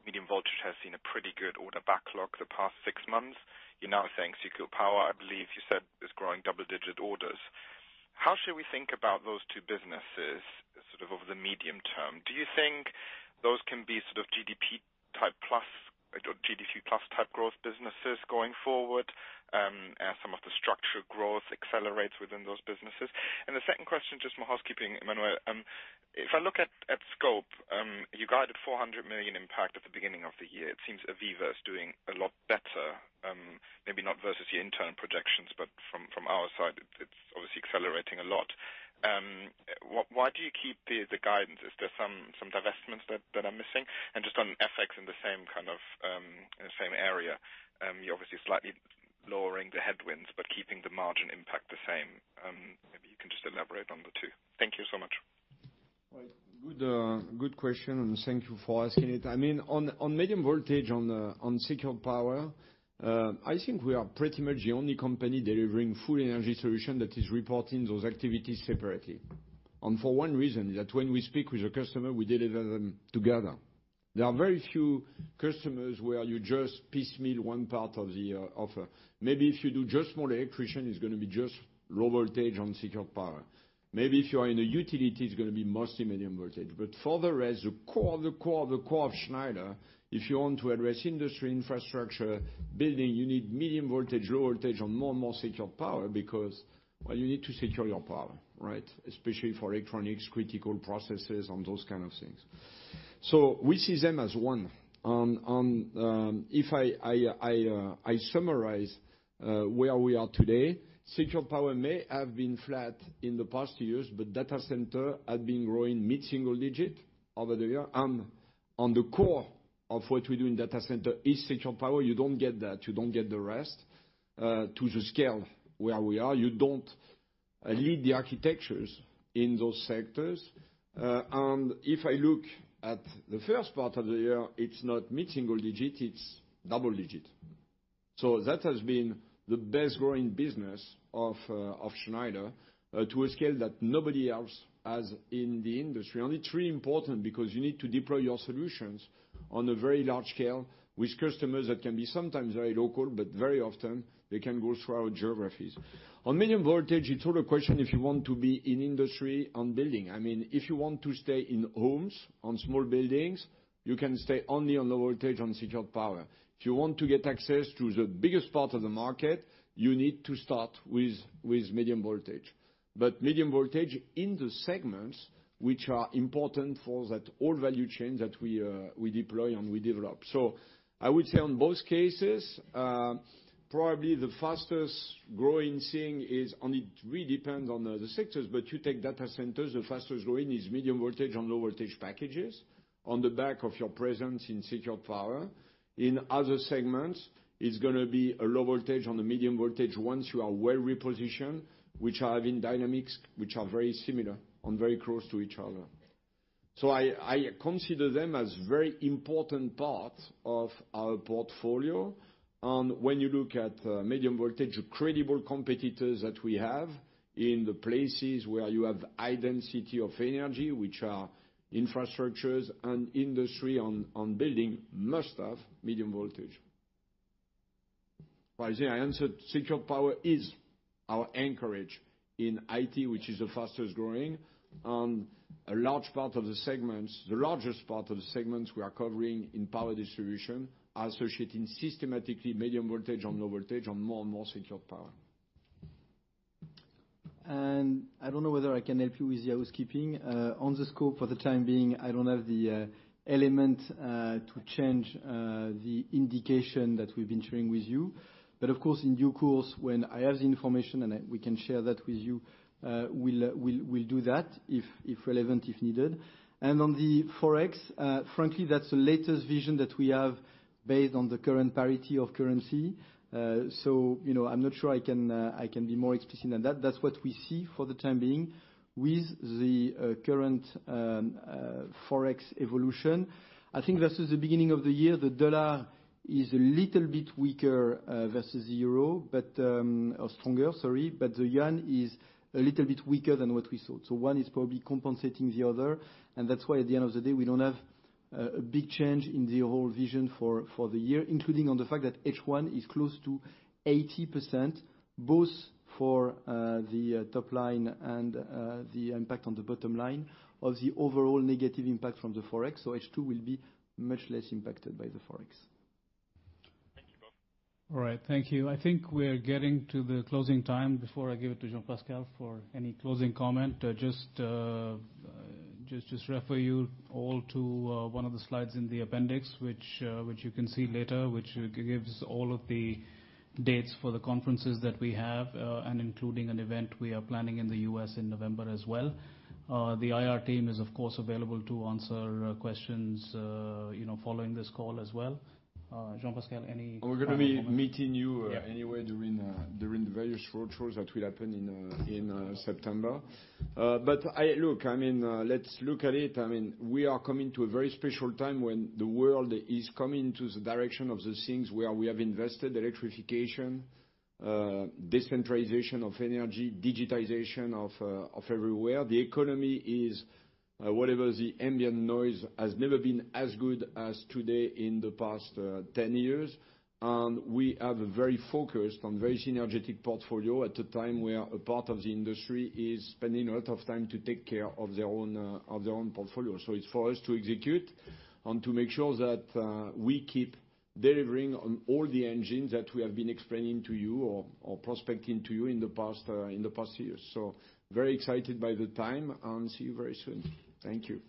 Medium Voltage has seen a pretty good order backlog the past six months. You are now saying Secure Power, I believe you said, is growing double-digit orders. How should we think about those two businesses over the medium term? Do you think those can be GDP plus type growth businesses going forward, as some of the structural growth accelerates within those businesses? The second question, just more housekeeping, Emmanuel. If I look at scope, you guided 400 million impact at the beginning of the year. It seems AVEVA is doing a lot better. Maybe not versus your internal projections, but from our side, it is obviously accelerating a lot. Why do you keep the guidance? Is there some divestments that I am missing? Just on FX in the same kind of same area, you are obviously slightly lowering the headwinds but keeping the margin impact the same. Maybe you can just elaborate on the two. Thank you so much. Right. Good question, and thank you for asking it. On Medium Voltage, on Secure Power, I think we are pretty much the only company delivering full energy solution that is reporting those activities separately. For one reason, that when we speak with a customer, we deliver them together. There are very few customers where you just piecemeal one part of the offer. Maybe if you do just small electrician, it's going to be just Low Voltage on Secure Power. Maybe if you are in a utility, it's going to be mostly Medium Voltage. For the rest, the core of Schneider, if you want to address industry, infrastructure, building, you need Medium Voltage, Low Voltage on more and more Secure Power because, well, you need to secure your power, right? Especially for electronics, critical processes, and those kind of things. So we see them as one. If I summarize where we are today, Secure Power may have been flat in the past years, but data center had been growing mid-single digit over the year. On the core of what we do in data center is Secure Power. You don't get that, you don't get the rest, to the scale where we are. You don't lead the architectures in those sectors. If I look at the first part of the year, it's not mid-single digit, it's double digit. That has been the best growing business of Schneider to a scale that nobody else has in the industry. It's really important because you need to deploy your solutions on a very large scale with customers that can be sometimes very local, but very often they can go through our geographies. Medium voltage, it's all a question if you want to be in industry and building. If you want to stay in homes, and small buildings, you can stay only on low voltage, and Secure Power. If you want to get access to the biggest part of the market, you need to start with medium voltage. Medium voltage in the segments which are important for that whole value chain that we deploy and we develop. I would say on both cases, probably the fastest growing thing is, and it really depends on the sectors, but you take data centers, the fastest growing is medium voltage and low voltage packages on the back of your presence in Secure Power. In other segments, it's going to be a low voltage and the medium voltage once you are well repositioned, which are having dynamics which are very similar and very close to each other. I consider them as very important part of our portfolio. When you look at medium voltage, credible competitors that we have in the places where you have high density of energy, which are infrastructures and industry and building must have medium voltage. As I answered, Secured Power is our anchorage in IT, which is the fastest growing, and a large part of the segments, the largest part of the segments we are covering in power distribution are associating systematically medium voltage and low voltage and more and more Secured Power. I don't know whether I can help you with the housekeeping. The scope for the time being, I don't have the element to change the indication that we've been sharing with you. Of course, in due course, when I have the information and we can share that with you, we'll do that if relevant, if needed. The Forex, frankly, that's the latest vision that we have based on the current parity of currency. I'm not sure I can be more explicit than that. That's what we see for the time being with the current Forex evolution. I think versus the beginning of the year, the dollar is a little bit weaker versus the euro, or stronger, sorry, but the yuan is a little bit weaker than what we thought. One is probably compensating the other, that's why at the end of the day, we don't have a big change in the whole vision for the year, including on the fact that H1 is close to 80%, both for the top line and the impact on the bottom line of the overall negative impact from the Forex. H2 will be much less impacted by the Forex. Thank you both. All right. Thank you. I think we're getting to the closing time. Before I give it to Jean-Pascal for any closing comment, just refer you all to one of the slides in the appendix, which you can see later, which gives all of the dates for the conferences that we have, including an event we are planning in the U.S. in November as well. The IR team is, of course, available to answer questions following this call as well. Jean-Pascal, any final comment? We're going to be meeting you anyway during the various road shows that will happen in September. Look, let's look at it. We are coming to a very special time when the world is coming to the direction of the things where we have invested, electrification, decentralization of energy, digitization of everywhere. The economy is, whatever the ambient noise, has never been as good as today in the past 10 years. We have a very focused and very synergetic portfolio at a time where a part of the industry is spending a lot of time to take care of their own portfolio. It's for us to execute and to make sure that we keep delivering on all the engines that we have been explaining to you or prospecting to you in the past years. Very excited by the time, and see you very soon. Thank you.